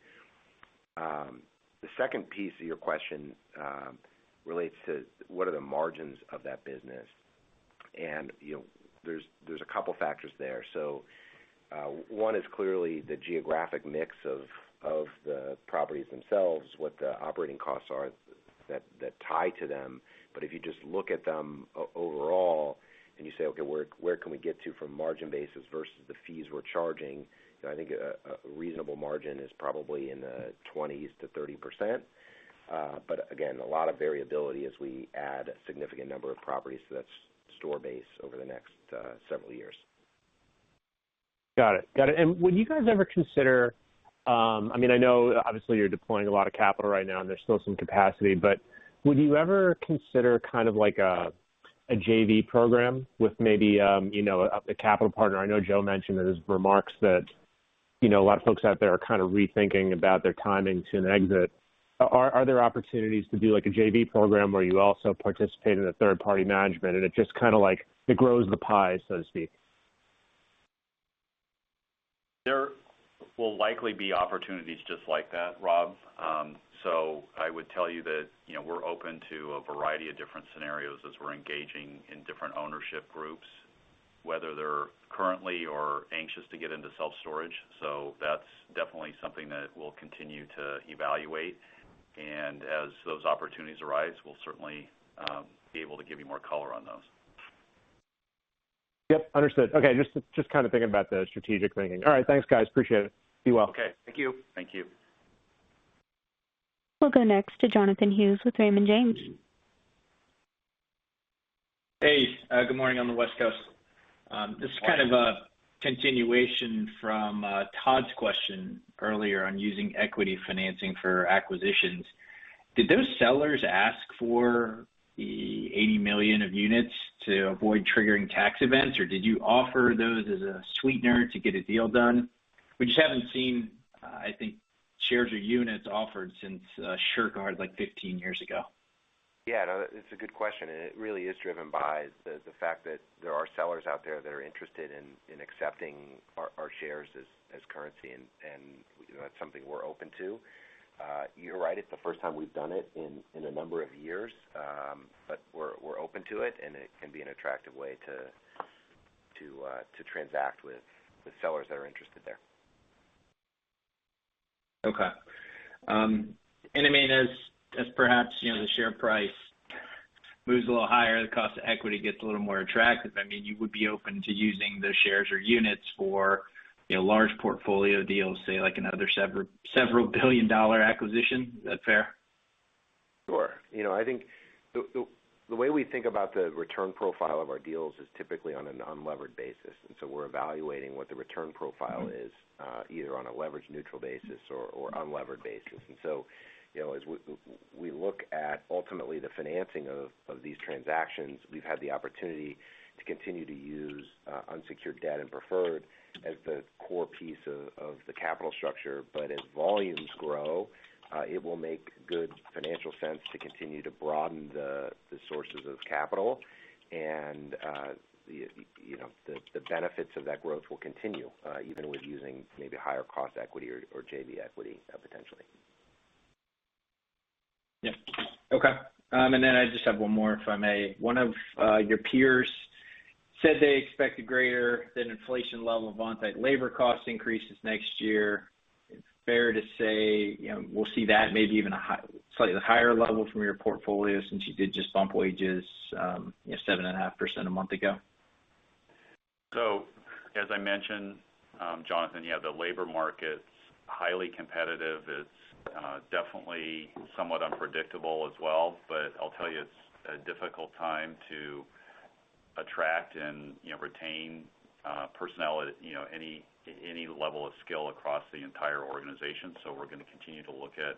The second piece of your question relates to what are the margins of that business. You know, there's a couple factors there. One is clearly the geographic mix of the properties themselves, what the operating costs are that tie to them. If you just look at them overall and you say, okay, where can we get to from margin basis versus the fees we're charging? You know, I think a reasonable margin is probably in the 20% to 30%. Again, a lot of variability as we add a significant number of properties to that store base over the next several years. Got it. Would you guys ever consider, I mean, I know obviously you're deploying a lot of capital right now, and there's still some capacity, but would you ever consider kind of like a JV program with maybe, you know, a capital partner? I know Joe mentioned in his remarks that, you know, a lot of folks out there are kind of rethinking about their timing to an exit. Are there opportunities to do like a JV program where you also participate in a third-party management and it just kinda like it grows the pie, so to speak? There will likely be opportunities just like that, Rob. I would tell you that, you know, we're open to a variety of different scenarios as we're engaging in different ownership groups, whether they're currently or anxious to get into self-storage. That's definitely something that we'll continue to evaluate. As those opportunities arise, we'll certainly be able to give you more color on those. Yep, understood. Okay, just kind of thinking about the strategic thinking. All right. Thanks, guys. Appreciate it. Be well. Okay. Thank you. Thank you. We'll go next to Jonathan Hughes with Raymond James. Hey, good morning on the West Coast. This is kind of a continuation from Todd's question earlier on using equity financing for acquisitions. Did those sellers ask for the 80 million of units to avoid triggering tax events, or did you offer those as a sweetener to get a deal done? We just haven't seen, I think shares or units offered since Shurgard like 15 years ago. Yeah, no, it's a good question, and it really is driven by the fact that there are sellers out there that are interested in accepting our shares as currency, and, you know, that's something we're open to. You're right, it's the first time we've done it in a number of years, but we're open to it, and it can be an attractive way to transact with sellers that are interested there. Okay. I mean, as perhaps, you know, the share price moves a little higher, the cost of equity gets a little more attractive. I mean, you would be open to using the shares or units for, you know, large portfolio deals, say like another several billion-dollar acquisition. Is that fair? Sure. You know, I think the way we think about the return profile of our deals is typically on an unlevered basis, and so we're evaluating what the return profile is, either on a leverage neutral basis or unlevered basis. You know, as we look at ultimately the financing of these transactions, we've had the opportunity to continue to use unsecured debt and preferred as the core piece of the capital structure. But as volumes grow, it will make good financial sense to continue to broaden the sources of capital and, you know, the benefits of that growth will continue even with using maybe higher cost equity or JV equity, potentially. Okay. I just have one more, if I may. One of your peers said they expect a greater than inflation level of onsite labor cost increases next year. Is it fair to say, you know, we'll see that maybe even slightly higher level from your portfolio since you did just bump wages, you know, 7.5% a month ago? As I mentioned, Jonathan, yeah, the labor market's highly competitive. It's definitely somewhat unpredictable as well. I'll tell you, it's a difficult time to attract and, you know, retain, personnel at, you know, any level of skill across the entire organization. We're gonna continue to look at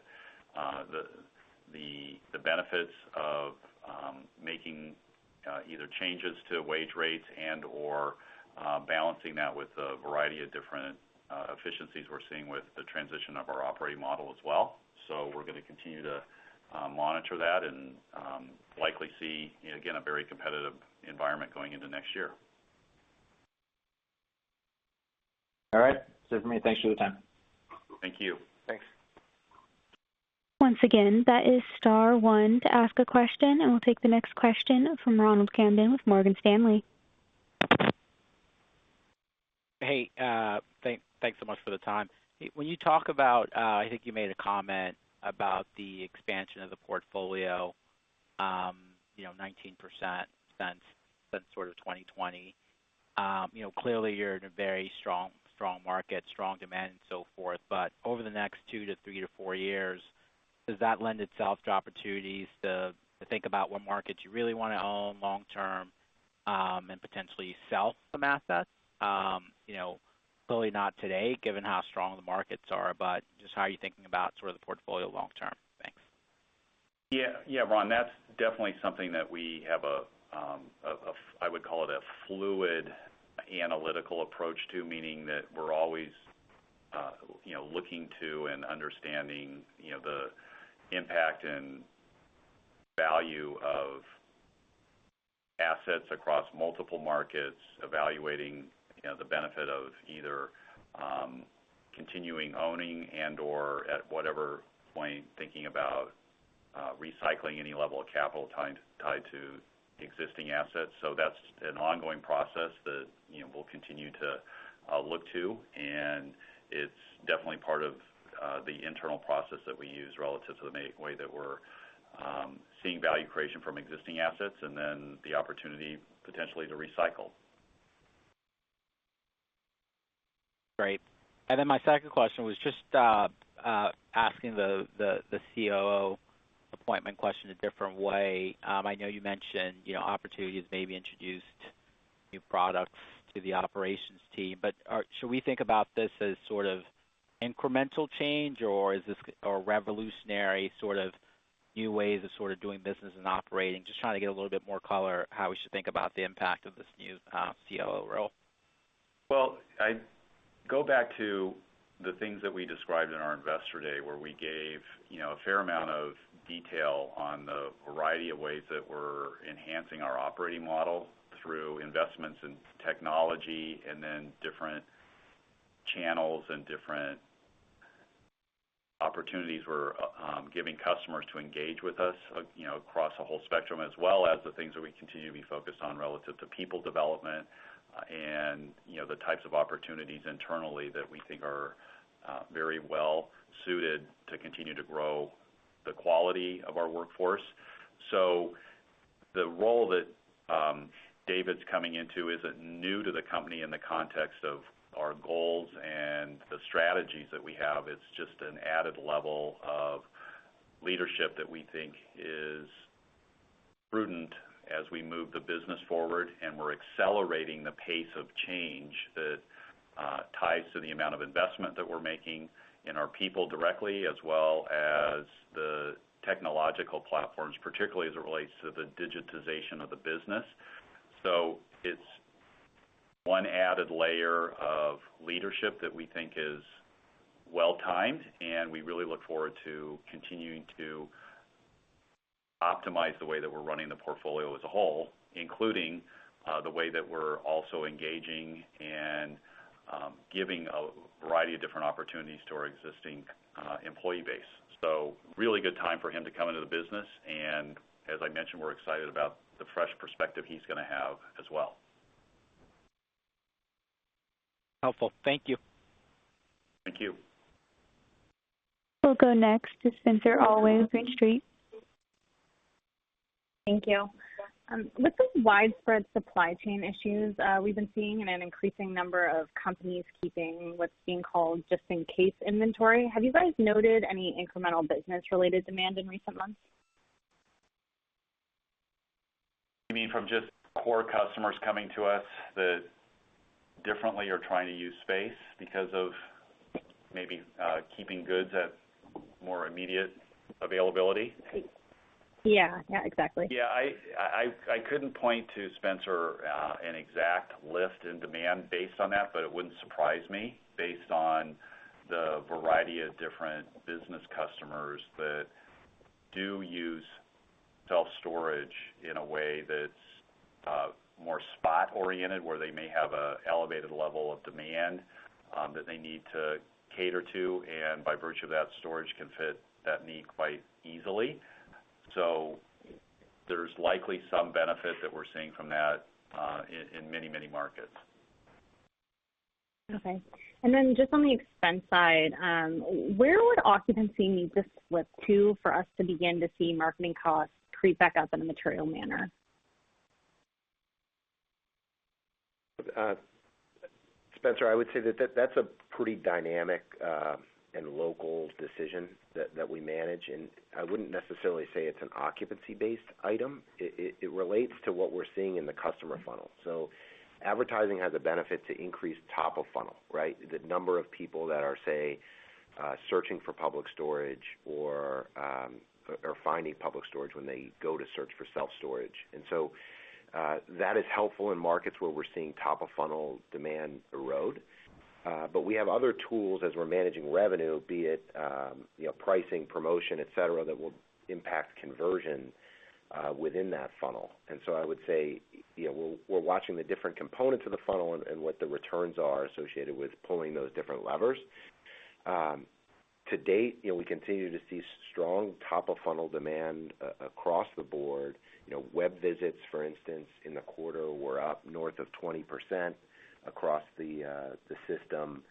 the benefits of making either changes to wage rates and/or balancing that with a variety of different efficiencies we're seeing with the transition of our operating model as well. We're gonna continue to monitor that and likely see, you know, again, a very competitive environment going into next year. All right. That's it for me. Thanks for the time. Thank you. Thanks. Once again, that is star one to ask a question, and we'll take the next question from Ronald Kamdem with Morgan Stanley. Hey, thanks so much for the time. When you talk about, I think you made a comment about the expansion of the portfolio, you know, 19% since sort of 2020. You know, clearly you're in a very strong market, strong demand and so forth. Over the next 2,3,4 years, does that lend itself to opportunities to think about what markets you really wanna own long term? Potentially sell some assets. You know, clearly not today, given how strong the markets are, but just how are you thinking about sort of the portfolio long term? Thanks. Yeah. Yeah, Ron, that's definitely something that we have a fluid analytical approach to, meaning that we're always you know, looking to and understanding you know, the impact and value of assets across multiple markets, evaluating you know, the benefit of either continuing owning and/or at whatever point, thinking about recycling any level of capital tied to existing assets. That's an ongoing process that you know, we'll continue to look to, and it's definitely part of the internal process that we use relative to the main way that we're seeing value creation from existing assets and then the opportunity potentially to recycle. Great. My second question was just asking the COO appointment question a different way. I know you mentioned, you know, opportunities maybe introduced new products to the operations team, but should we think about this as sort of incremental change, or is this a revolutionary sort of new ways of sort of doing business and operating? Just trying to get a little bit more color how we should think about the impact of this new COO role. I go back to the things that we described in our Investor Day, where we gave, you know, a fair amount of detail on the variety of ways that we're enhancing our operating model through investments in technology and then different channels and different opportunities we're giving customers to engage with us, you know, across a whole spectrum, as well as the things that we continue to be focused on relative to people development and, you know, the types of opportunities internally that we think are very well suited to continue to grow the quality of our workforce. The role that David's coming into isn't new to the company in the context of our goals and the strategies that we have. It's just an added level of leadership that we think is prudent as we move the business forward, and we're accelerating the pace of change that ties to the amount of investment that we're making in our people directly, as well as the technological platforms, particularly as it relates to the digitization of the business. It's one added layer of leadership that we think is well timed, and we really look forward to continuing to optimize the way that we're running the portfolio as a whole, including the way that we're also engaging and giving a variety of different opportunities to our existing employee base. Really good time for him to come into the business, and as I mentioned, we're excited about the fresh perspective he's gonna have as well. Helpful. Thank you. Thank you. We'll go next to Spenser Allaway, Green Street. Thank you. With the widespread supply chain issues, we've been seeing an increasing number of companies keeping what's being called just in case inventory. Have you guys noted any incremental business related demand in recent months? You mean from just core customers coming to us that differently are trying to use space because of maybe keeping goods at more immediate availability? Yeah. Yeah, exactly. Yeah, I couldn't point to Spenser an exact lift in demand based on that, but it wouldn't surprise me based on the variety of different business customers that do use self-storage in a way that's more spot oriented, where they may have a elevated level of demand that they need to cater to, and by virtue of that, storage can fit that need quite easily. So there's likely some benefit that we're seeing from that in many markets. Okay. Just on the expense side, where would occupancy need to slip to for us to begin to see marketing costs creep back up in a material manner? Spenser, I would say that's a pretty dynamic and local decision that we manage, and I wouldn't necessarily say it's an occupancy-based item. It relates to what we're seeing in the customer funnel. Advertising has a benefit to increase top of funnel, right? The number of people that are, say, searching for Public Storage or finding Public Storage when they go to search for self-storage. That is helpful in markets where we're seeing top of funnel demand erode. We have other tools as we're managing revenue, be it, you know, pricing, promotion, et cetera, that will impact conversion within that funnel. I would say, you know, we're watching the different components of the funnel and what the returns are associated with pulling those different levers. To date, you know, we continue to see strong top of funnel demand across the board. You know, web visits, for instance, in the quarter were up north of 20% across the system.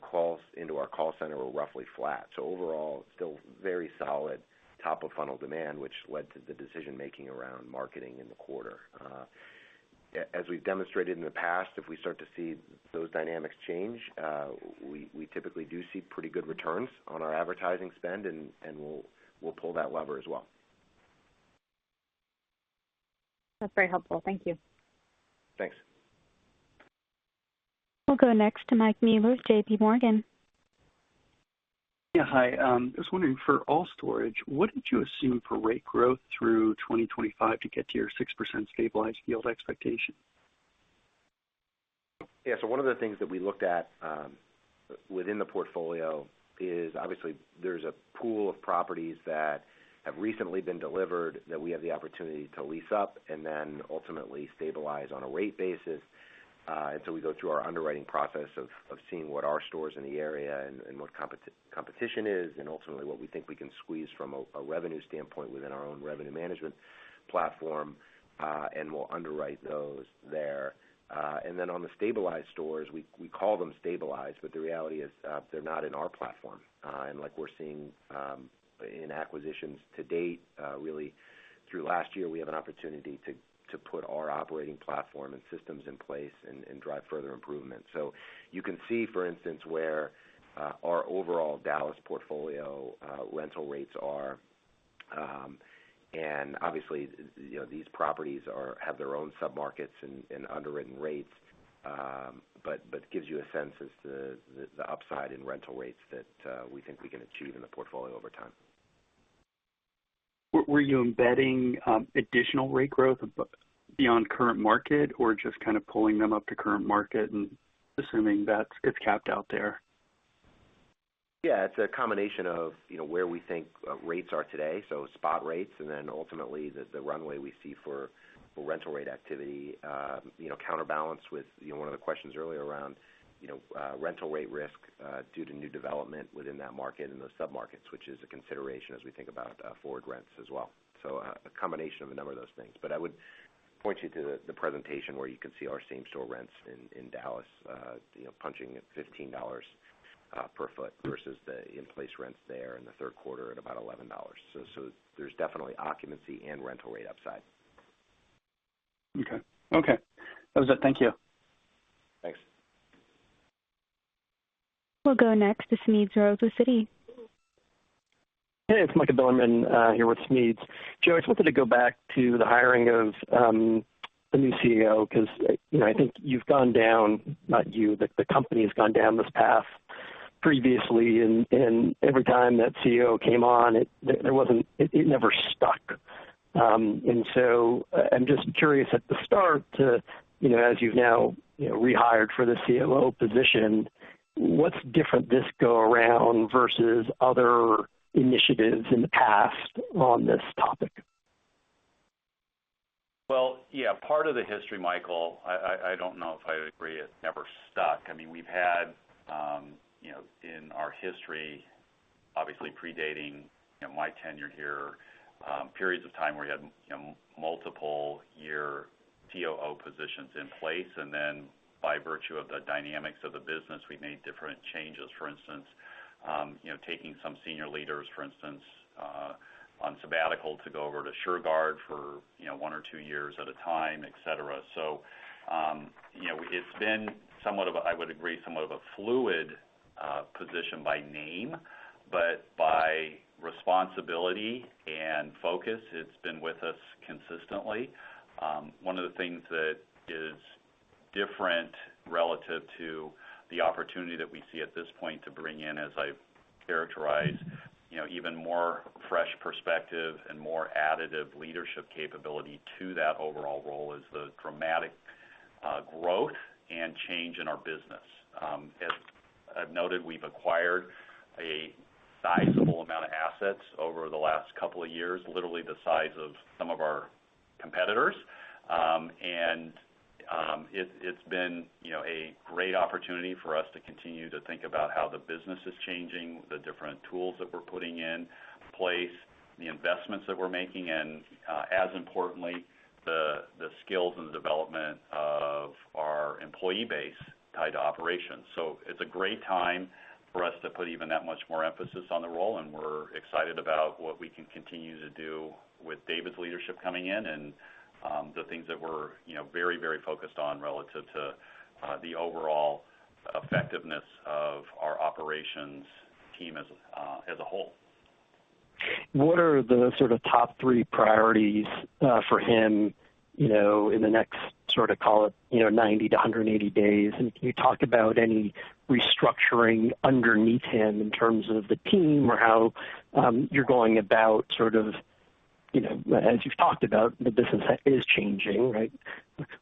Calls into our call center were roughly flat. Overall, still very solid top of funnel demand, which led to the decision-making around marketing in the quarter. As we've demonstrated in the past, if we start to see those dynamics change, we typically do see pretty good returns on our advertising spend, and we'll pull that lever as well. That's very helpful. Thank you. Thanks. We'll go next to Mike Mueller with JPMorgan. Yeah, hi. I was wondering for All Storage, what did you assume for rate growth through 2025 to get to your 6% stabilized yield expectation? Yeah. One of the things that we looked at within the portfolio is obviously there's a pool of properties that have recently been delivered that we have the opportunity to lease up and then ultimately stabilize on a rate basis. We go through our underwriting process of seeing what our stores in the area and what competition is and ultimately what we think we can squeeze from a revenue standpoint within our own revenue management platform, and we'll underwrite those there. On the stabilized stores, we call them stabilized, but the reality is they're not in our platform. Like we're seeing in acquisitions to date, really through last year, we have an opportunity to put our operating platform and systems in place and drive further improvement. You can see, for instance, where our overall Dallas portfolio rental rates are. Obviously, you know, these properties have their own sub-markets and underwritten rates. Gives you a sense as to the upside in rental rates that we think we can achieve in the portfolio over time. Were you embedding additional rate growth beyond current market, or just kind of pulling them up to current market and assuming that it's capped out there? Yeah, it's a combination of, you know, where we think rates are today, so spot rates and then ultimately the runway we see for rental rate activity, you know, counterbalanced with, you know, one of the questions earlier around, you know, rental rate risk due to new development within that market and those sub-markets, which is a consideration as we think about forward rents as well. A combination of a number of those things. I would point you to the presentation where you can see our same store rents in Dallas, you know, punching at $15 per ft versus the in-place rents there in the third quarter at about $11. There's definitely occupancy and rental rate upside. Okay. That was it. Thank you. Thanks. We'll go next to Smedes Rose, Citi. Hey, it's Michael Bilerman here with Smedes. Joe, I just wanted to go back to the hiring of the new CEO because, you know, I think you've gone down, not you, the company has gone down this path previously, and every time that CEO came on, it never stuck. I'm just curious at the start, you know, as you've now, you know, rehired for the COO position, what's different this go around versus other initiatives in the past on this topic? Well, yeah, part of the history, Michael, I don't know if I agree it never stuck. I mean, we've had, you know, in our history, obviously predating, you know, my tenure here, periods of time where we had, you know, multiple year COO positions in place, and then by virtue of the dynamics of the business, we made different changes. For instance, you know, taking some senior leaders, for instance, on sabbatical to go over to Shurgard for, you know, one or two years at a time, et cetera. You know, it's been somewhat of a, I would agree, somewhat of a fluid position by name, but by responsibility and focus, it's been with us consistently. One of the things that is different relative to the opportunity that we see at this point to bring in, as I've characterized, you know, even more fresh perspective and more additive leadership capability to that overall role is the dramatic growth and change in our business. As I've noted, we've acquired a sizable amount of assets over the last couple of years, literally the size of some of our competitors. It's been, you know, a great opportunity for us to continue to think about how the business is changing, the different tools that we're putting in place, the investments that we're making, and as importantly, the skills and development of our employee base tied to operations. It's a great time for us to put even that much more emphasis on the role, and we're excited about what we can continue to do with David's leadership coming in and the things that we're, you know, very, very focused on relative to the overall effectiveness of our operations team as a whole. What are the sort of top three priorities for him, you know, in the next sort of, call it, you know, 90-180 days? Can you talk about any restructuring underneath him in terms of the team or how you're going about sort of, you know, as you've talked about, the business is changing, right?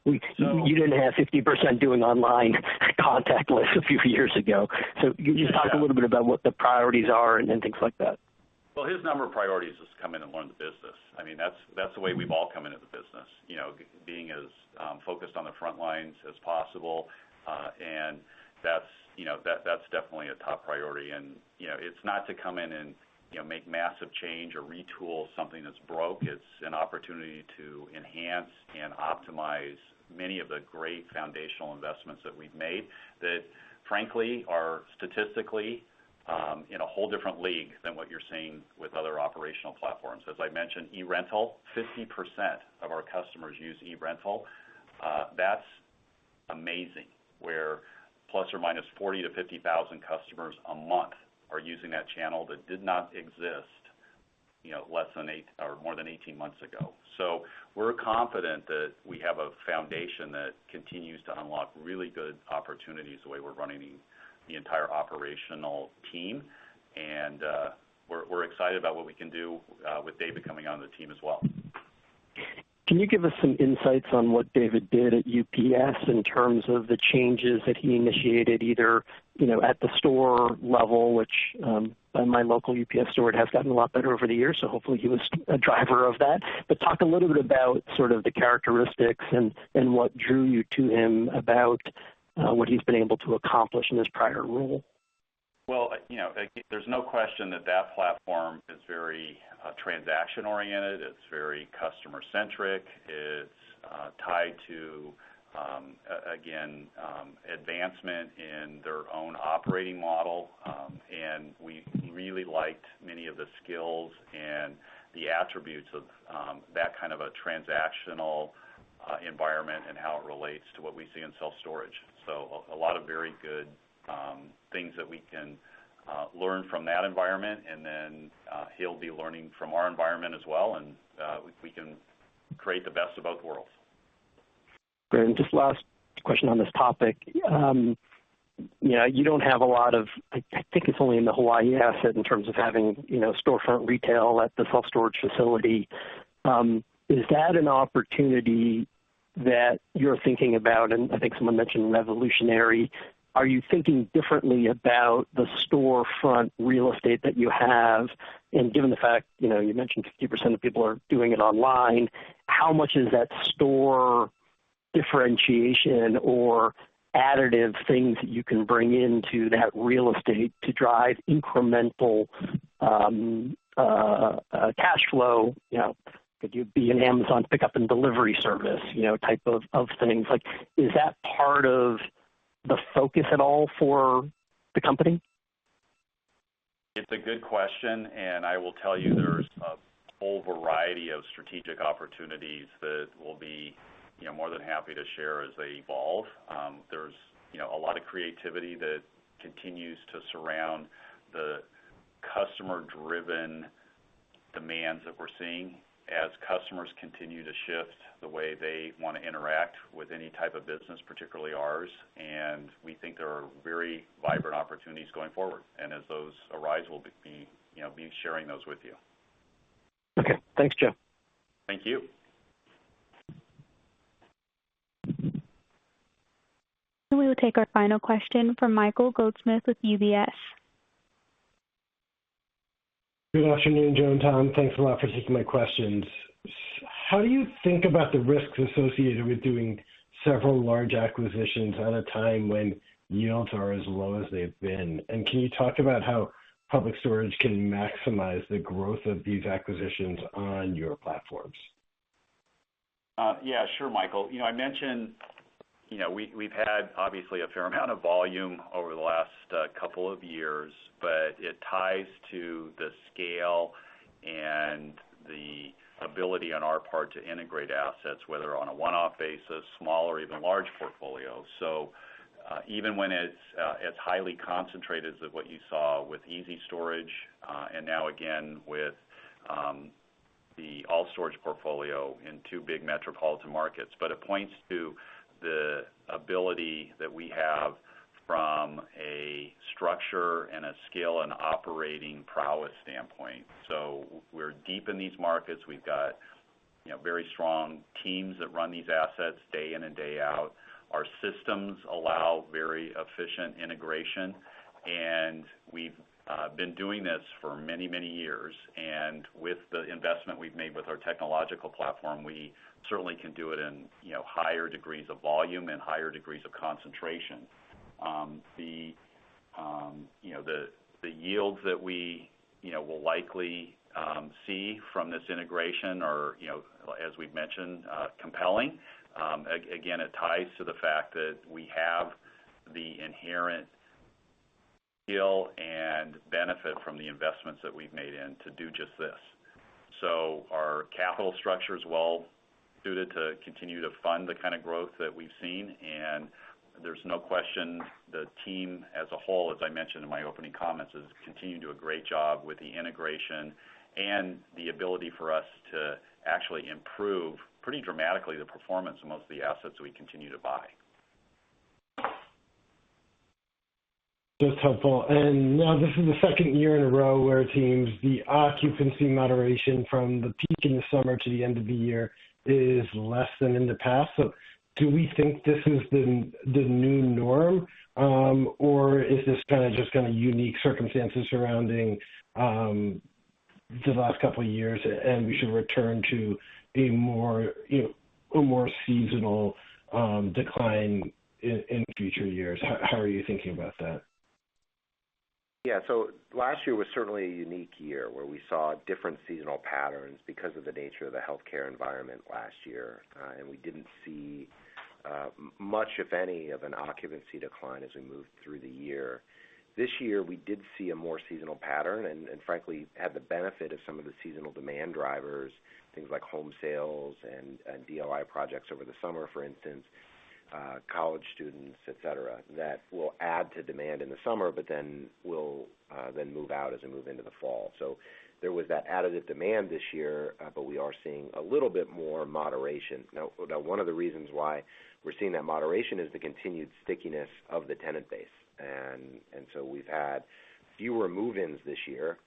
You didn't have 50% doing online contactless a few years ago. Can you just talk a little bit about what the priorities are and then things like that? Well, his number one priority is just to come in and learn the business. I mean, that's the way we've all come into the business. You know, being as focused on the front lines as possible. That's definitely a top priority. You know, it's not to come in and, you know, make massive change or retool something that's broke. It's an opportunity to enhance and optimize many of the great foundational investments that we've made, that frankly, are statistically in a whole different league than what you're seeing with other operational platforms. As I mentioned, eRental, 50% of our customers use eRental. That's amazing. Where ±40,000-50,000 customers a month are using that channel that did not exist, you know, more than 18 months ago. We're confident that we have a foundation that continues to unlock really good opportunities the way we're running the entire operational team, and we're excited about what we can do with David coming onto the team as well. Can you give us some insights on what David did at UPS in terms of the changes that he initiated, either, you know, at the store level, which, my local UPS Store has gotten a lot better over the years, so hopefully he was a driver of that. But talk a little bit about sort of the characteristics and what drew you to him about, what he's been able to accomplish in his prior role. Well, you know, there's no question that that platform is very transaction-oriented. It's very customer-centric. It's tied to, again, advancement in their own operating model. We really liked many of the skills and the attributes of that kind of a transactional environment and how it relates to what we see in self-storage. A lot of very good things that we can learn from that environment, and then he'll be learning from our environment as well, and we can create the best of both worlds. Great. Just last question on this topic. You know, you don't have a lot of, I think, it's only in the Hawaii asset in terms of having, you know, storefront retail at the self-storage facility. Is that an opportunity that you're thinking about? I think someone mentioned revolutionary. Are you thinking differently about the storefront real estate that you have? Given the fact, you know, you mentioned 50% of people are doing it online, how much is that store differentiation or additive things that you can bring into that real estate to drive incremental cash flow? You know, could you be an Amazon Pickup and delivery service, you know, type of things? Like, is that part of the focus at all for the company? It's a good question, and I will tell you, there's a whole variety of strategic opportunities that we'll be, you know, more than happy to share as they evolve. There's, you know, a lot of creativity that continues to surround the customer-driven demands that we're seeing as customers continue to shift the way they want to interact with any type of business, particularly ours. We think there are very vibrant opportunities going forward. As those arise, we'll be, you know, sharing those with you. Okay. Thanks, Joe. Thank you. We will take our final question from Michael Goldsmith with UBS. Good afternoon, Joe and Tom. Thanks a lot for taking my questions. How do you think about the risks associated with doing several large acquisitions at a time when yields are as low as they've been? Can you talk about how Public Storage can maximize the growth of these acquisitions on your platforms? Yeah, sure, Michael. You know, I mentioned, you know, we've had obviously a fair amount of volume over the last couple of years, but it ties to the scale and the ability on our part to integrate assets, whether on a one-off basis, small or even large portfolios. Even when it's as highly concentrated as what you saw with ezStorage and now again with the All Storage portfolio in two big metropolitan markets. It points to the ability that we have from a structure and a scale and operating prowess standpoint. We're deep in these markets. We've got, you know, very strong teams that run these assets day in and day out. Our systems allow very efficient integration, and we've been doing this for many, many years. With the investment we've made with our technological platform, we certainly can do it in, you know, higher degrees of volume and higher degrees of concentration. The yields that we, you know, will likely see from this integration are, you know, as we've mentioned, compelling. Again, it ties to the fact that we have the inherent skill and benefit from the investments that we've made in to do just this. Our capital structure is well suited to continue to fund the kind of growth that we've seen, and there's no question the team as a whole, as I mentioned in my opening comments, has continued to do a great job with the integration and the ability for us to actually improve pretty dramatically the performance of most of the assets we continue to buy. Just helpful. Now this is the second year in a row where it seems the occupancy moderation from the peak in the summer to the end of the year is less than in the past. Do we think this is the new norm, or is this kind of just kind of unique circumstances surrounding the last couple of years, and we should return to a more, you know, a more seasonal decline in future years? How are you thinking about that? Yeah. Last year was certainly a unique year where we saw different seasonal patterns because of the nature of the healthcare environment last year. We didn't see much of any of an occupancy decline as we moved through the year. This year, we did see a more seasonal pattern and frankly had the benefit of some of the seasonal demand drivers, things like home sales and DIY projects over the summer, for instance, college students, et cetera, that will add to demand in the summer, but then will move out as we move into the fall. There was that additive demand this year, but we are seeing a little bit more moderation. Now, one of the reasons why we're seeing that moderation is the continued stickiness of the tenant base. We've had fewer move-ins this year.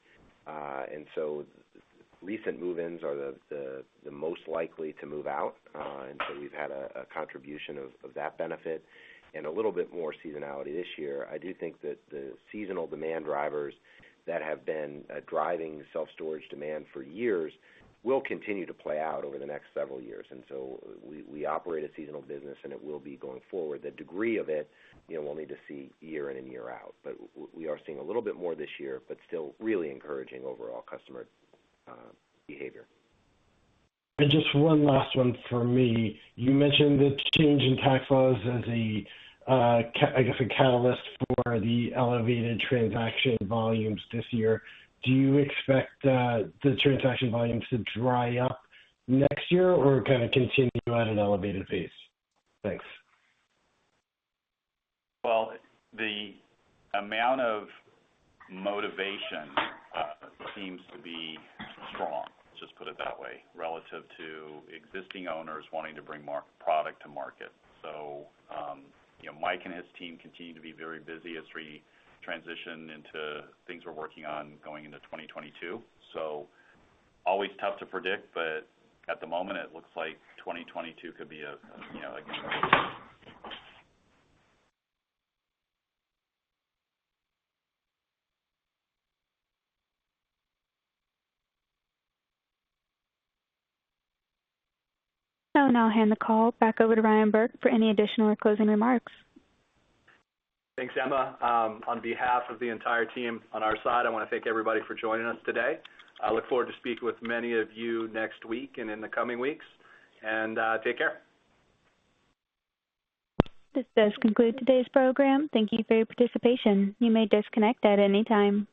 Recent move-ins are the most likely to move out, and so we've had a contribution of that benefit and a little bit more seasonality this year. I do think that the seasonal demand drivers that have been driving self-storage demand for years will continue to play out over the next several years. We operate a seasonal business, and it will be going forward. The degree of it, you know, we'll need to see year in and year out. We are seeing a little bit more this year, but still really encouraging overall customer behavior. Just one last one for me. You mentioned the change in tax laws as a, I guess, a catalyst for the elevated transaction volumes this year. Do you expect the transaction volumes to dry up next year, or kind of continue at an elevated pace? Thanks. Well, the amount of motivation seems to be strong, just put it that way, relative to existing owners wanting to bring more product to market. You know, Mike and his team continue to be very busy as we transition into things we're working on going into 2022. Always tough to predict, but at the moment, it looks like 2022 could be a, you know, again, really I'll now hand the call back over to Ryan Burke for any additional or closing remarks. Thanks, Emma. On behalf of the entire team on our side, I wanna thank everybody for joining us today. I look forward to speaking with many of you next week and in the coming weeks. Take care. This does conclude today's program. Thank you for your participation. You may disconnect at any time.